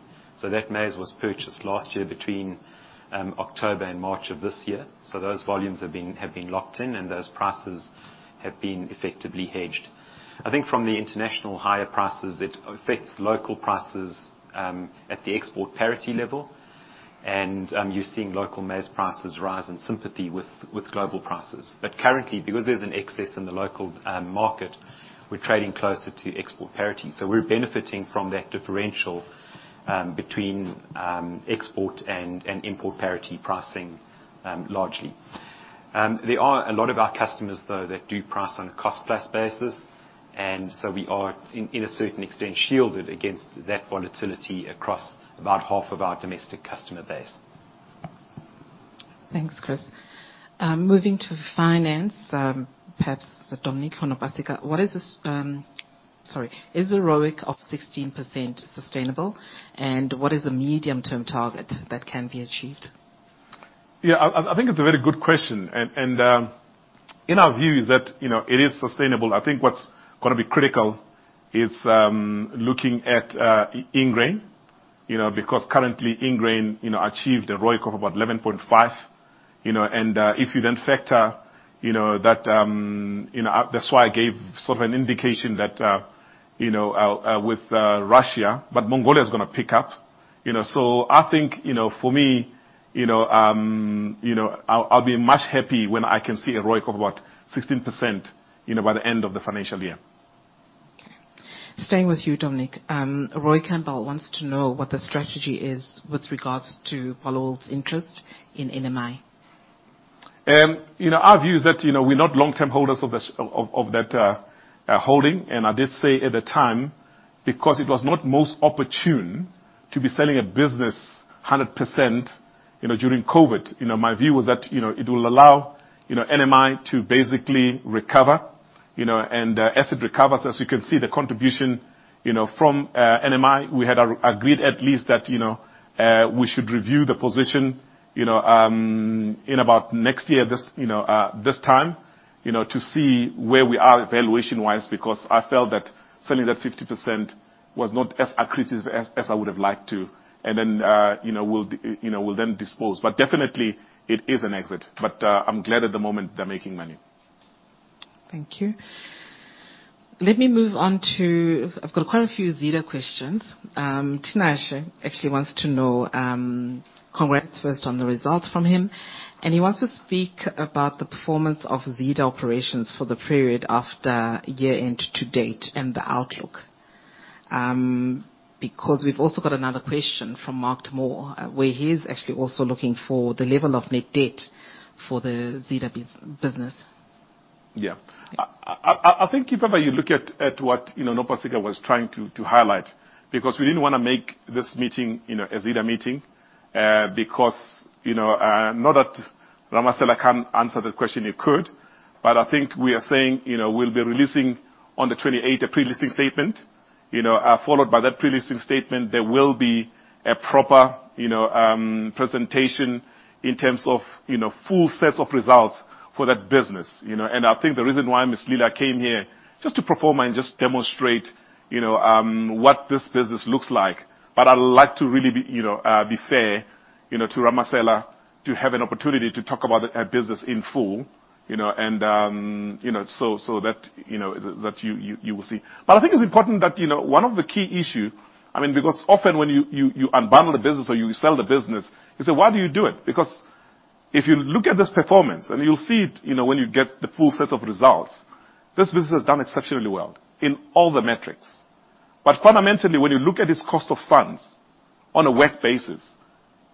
That maize was purchased last year between October and March of this year. Those volumes have been locked in, and those prices have been effectively hedged. I think from the international higher prices, it affects local prices at the export parity level. You're seeing local maize prices rise in sympathy with global prices. Currently, because there's an excess in the local market, we're trading closer to export parity. We're benefiting from that differential between export and import parity pricing largely. There are a lot of our customers, though, that do price on a cost plus basis. We are in a certain extent shielded against that volatility across about half of our domestic customer base. Thanks, Chris. moving to finance, perhaps for Dominic or Nopasika. What is the sorry? Is the ROIC of 16% sustainable? What is the medium term target that can be achieved? Yeah. I think it's a very good question. In our view is that, you know, it is sustainable. I think what's gonna be critical is looking at Ingrain. You know, because currently Ingrain, you know, achieved a ROIC of about 11.5, you know. If you then factor, you know, that. You know, that's why I gave sort of an indication that, you know, with Russia, but Mongolia is gonna pick up, you know. I think, you know, for me, you know, I'll be much happy when I can see a ROIC of about 16%, you know, by the end of the financial year. Okay. Staying with you, Dominic, Roy Campbell wants to know what the strategy is with regards to Barloworld's interest in NMI. you know, our view is that, you know, we're not long-term holders of that holding. I did say at the time, because it was not most opportune to be selling a business 100%, you know, during COVID. My view was that, you know, it will allow, you know, NMI to basically recover, you know. as it recovers, as you can see the contribution, you know, from NMI. We had agreed at least that, you know, we should review the position, you know, in about next year this, you know, this time, you know, to see where we are valuation-wise. I felt that selling that 50% was not as accretive as I would have liked to. you know, we'll then dispose. Definitely it is an exit. I'm glad at the moment they're making money. Thank you. Let me move on to. I've got quite a few Zeda questions. Tinashe actually wants to know. Congrats first on the results from him. He wants to speak about the performance of Zeda operations for the period after year-end to date and the outlook. We've also got another question from Mark Moore, where he is actually also looking for the level of net debt for the Zeda business. Yeah. I think if ever you look at what, you know, Nopasika was trying to highlight. We didn't wanna make this meeting, you know, a Zeda meeting. Not that Ramasela can't answer the question, he could. I think we are saying, you know, we'll be releasing on the 28th a pre-listing statement, you know. Followed by that pre-listing statement, there will be a proper, you know, presentation in terms of, you know, full sets of results for that business, you know. I think the reason why Miss Lila came here just to perform and just demonstrate, you know, what this business looks like. I'd like to really be, you know, be fair, you know, to Ramasela to have an opportunity to talk about her business in full, you know. You know, so that, you know, that you will see. I think it's important that, you know, one of the key, I mean, because often when you unbundle a business or you sell the business, you say, "Why do you do it?" If you look at this performance, and you'll see it, you know, when you get the full set of results, this business has done exceptionally well in all the metrics. Fundamentally, when you look at its cost of funds on a WACC basis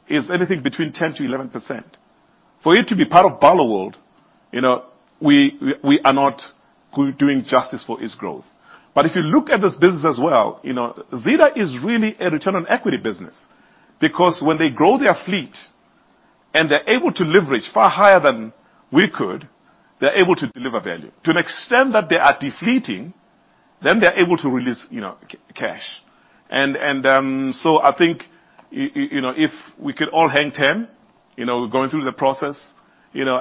is anything between 10%-11%. For it to be part of Barloworld, you know, we are not doing justice for its growth. If you look at this business as well, you know, Zeda is really a return on equity business. Because when they grow their fleet and they're able to leverage far higher than we could, they're able to deliver value. To an extent that they are de-fleeting, then they're able to release, you know, cash. I think, you know, if we could all hang 10, you know, we're going through the process, you know.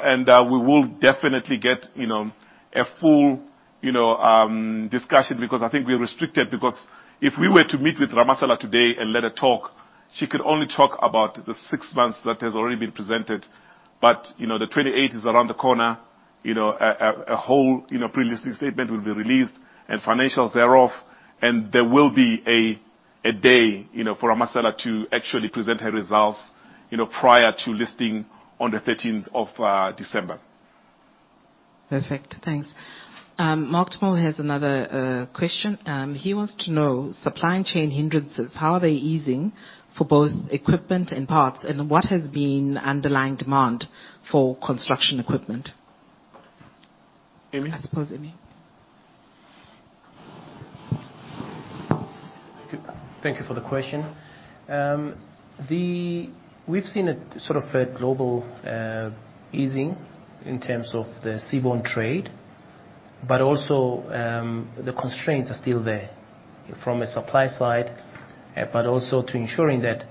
We will definitely get, you know, a full, you know, discussion because I think we're restricted. Because if we were to meet with Ramasela today and let her talk, she could only talk about the six months that has already been presented. You know, the 28th is around the corner. You know, a whole, you know, pre-listing statement will be released and financials thereof. There will be a day, you know, for Ramasela to actually present her results, you know, prior to listing on the 13th of December. Perfect. Thanks. Mark Moore has another question. He wants to know supply chain hindrances, how are they easing for both equipment and parts? What has been underlying demand for construction equipment? Emmy? I suppose, Emmy. Thank you. Thank you for the question. We've seen a sort of a global easing in terms of the seaborne trade, but also, the constraints are still there. From a supply side, but also to ensuring that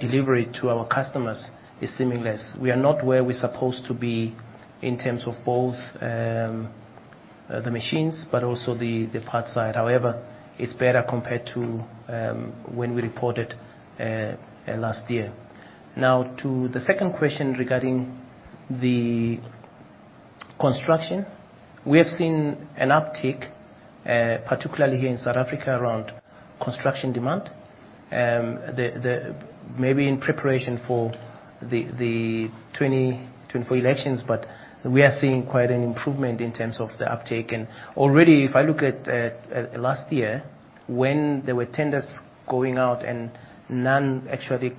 delivery to our customers is seamless. We are not where we're supposed to be in terms of both the machines, but also the parts side. It's better compared to when we reported last year. To the second question regarding the construction. We have seen an uptick particularly here in South Africa around construction demand. Maybe in preparation for the 2024 elections, but we are seeing quite an improvement in terms of the uptick. Already, if I look at last year when there were tenders going out and none actually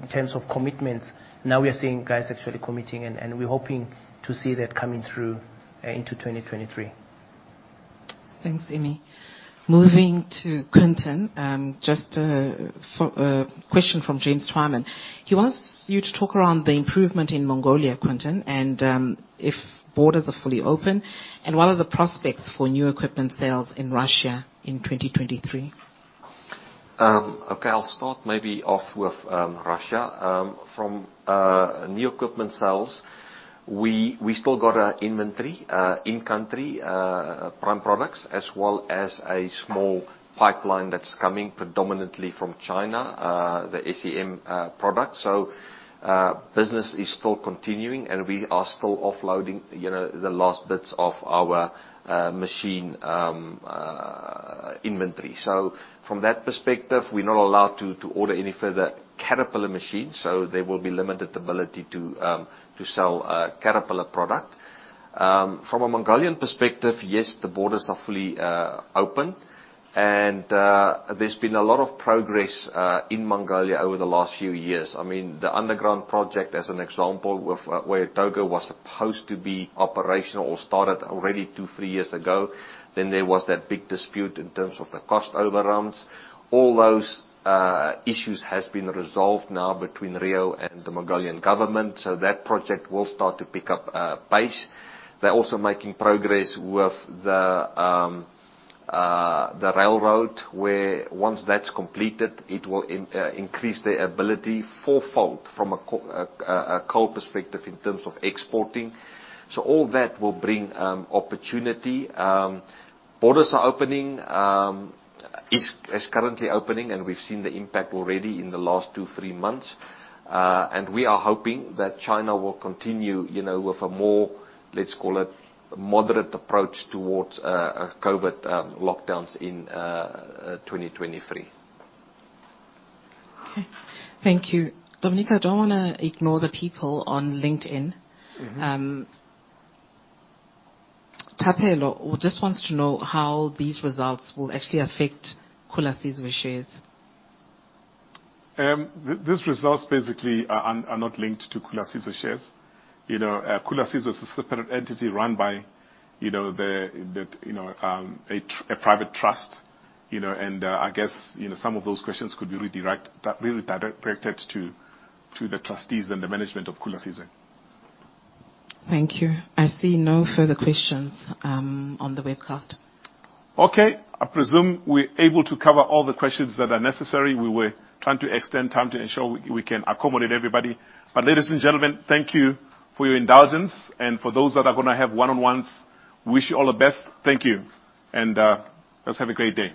in terms of commitments, now we are seeing guys actually committing, and we're hoping to see that coming through into 2023. Thanks, Emmy. Moving to Quinton, just for question from James Wyman. He wants you to talk around the improvement in Mongolia, Quinton, and if borders are fully open, and what are the prospects for new equipment sales in Russia in 2023? Okay. I'll start maybe off with Russia. From new equipment sales, we still got our inventory in country, prime products, as well as a small pipeline that's coming predominantly from China, the SEM product. Business is still continuing, and we are still offloading, you know, the last bits of our machine inventory. From that perspective, we're not allowed to order any further Caterpillar machines, so there will be limited ability to sell Caterpillar product. From a Mongolian perspective, yes, the borders are fully open and there's been a lot of progress in Mongolia over the last few years. I mean, the underground project as an example, with, where Oyu Tolgoi was supposed to be operational or started already two, three years ago. There was that big dispute in terms of the cost overruns. All those issues has been resolved now between Rio and the Mongolian government, so that project will start to pick up pace. They're also making progress with the railroad, where once that's completed, it will increase the ability fourfold from a coal perspective in terms of exporting. All that will bring opportunity. Borders are opening, is currently opening, and we've seen the impact already in the last two, three months. We are hoping that China will continue, you know, with a more, let's call it, moderate approach towards COVID lockdowns in 2023. Okay. Thank you. Dominic, I don't wanna ignore the people on LinkedIn. Mm-hmm. Thapelo just wants to know how these results will actually affect Khula Sizwe shares. These results basically are not linked to Khula Sizwe shares. You know, Khula Sizwe is a separate entity run by, you know, the, you know, a private trust, you know. I guess, you know, some of those questions could be redirected to the trustees and the management of Khula Sizwe. Thank you. I see no further questions on the webcast. Okay. I presume we're able to cover all the questions that are necessary. We were trying to extend time to ensure we can accommodate everybody. Ladies and gentlemen, thank you for your indulgence and for those that are going to have one-on-ones, wish you all the best. Thank you. Let's have a great day.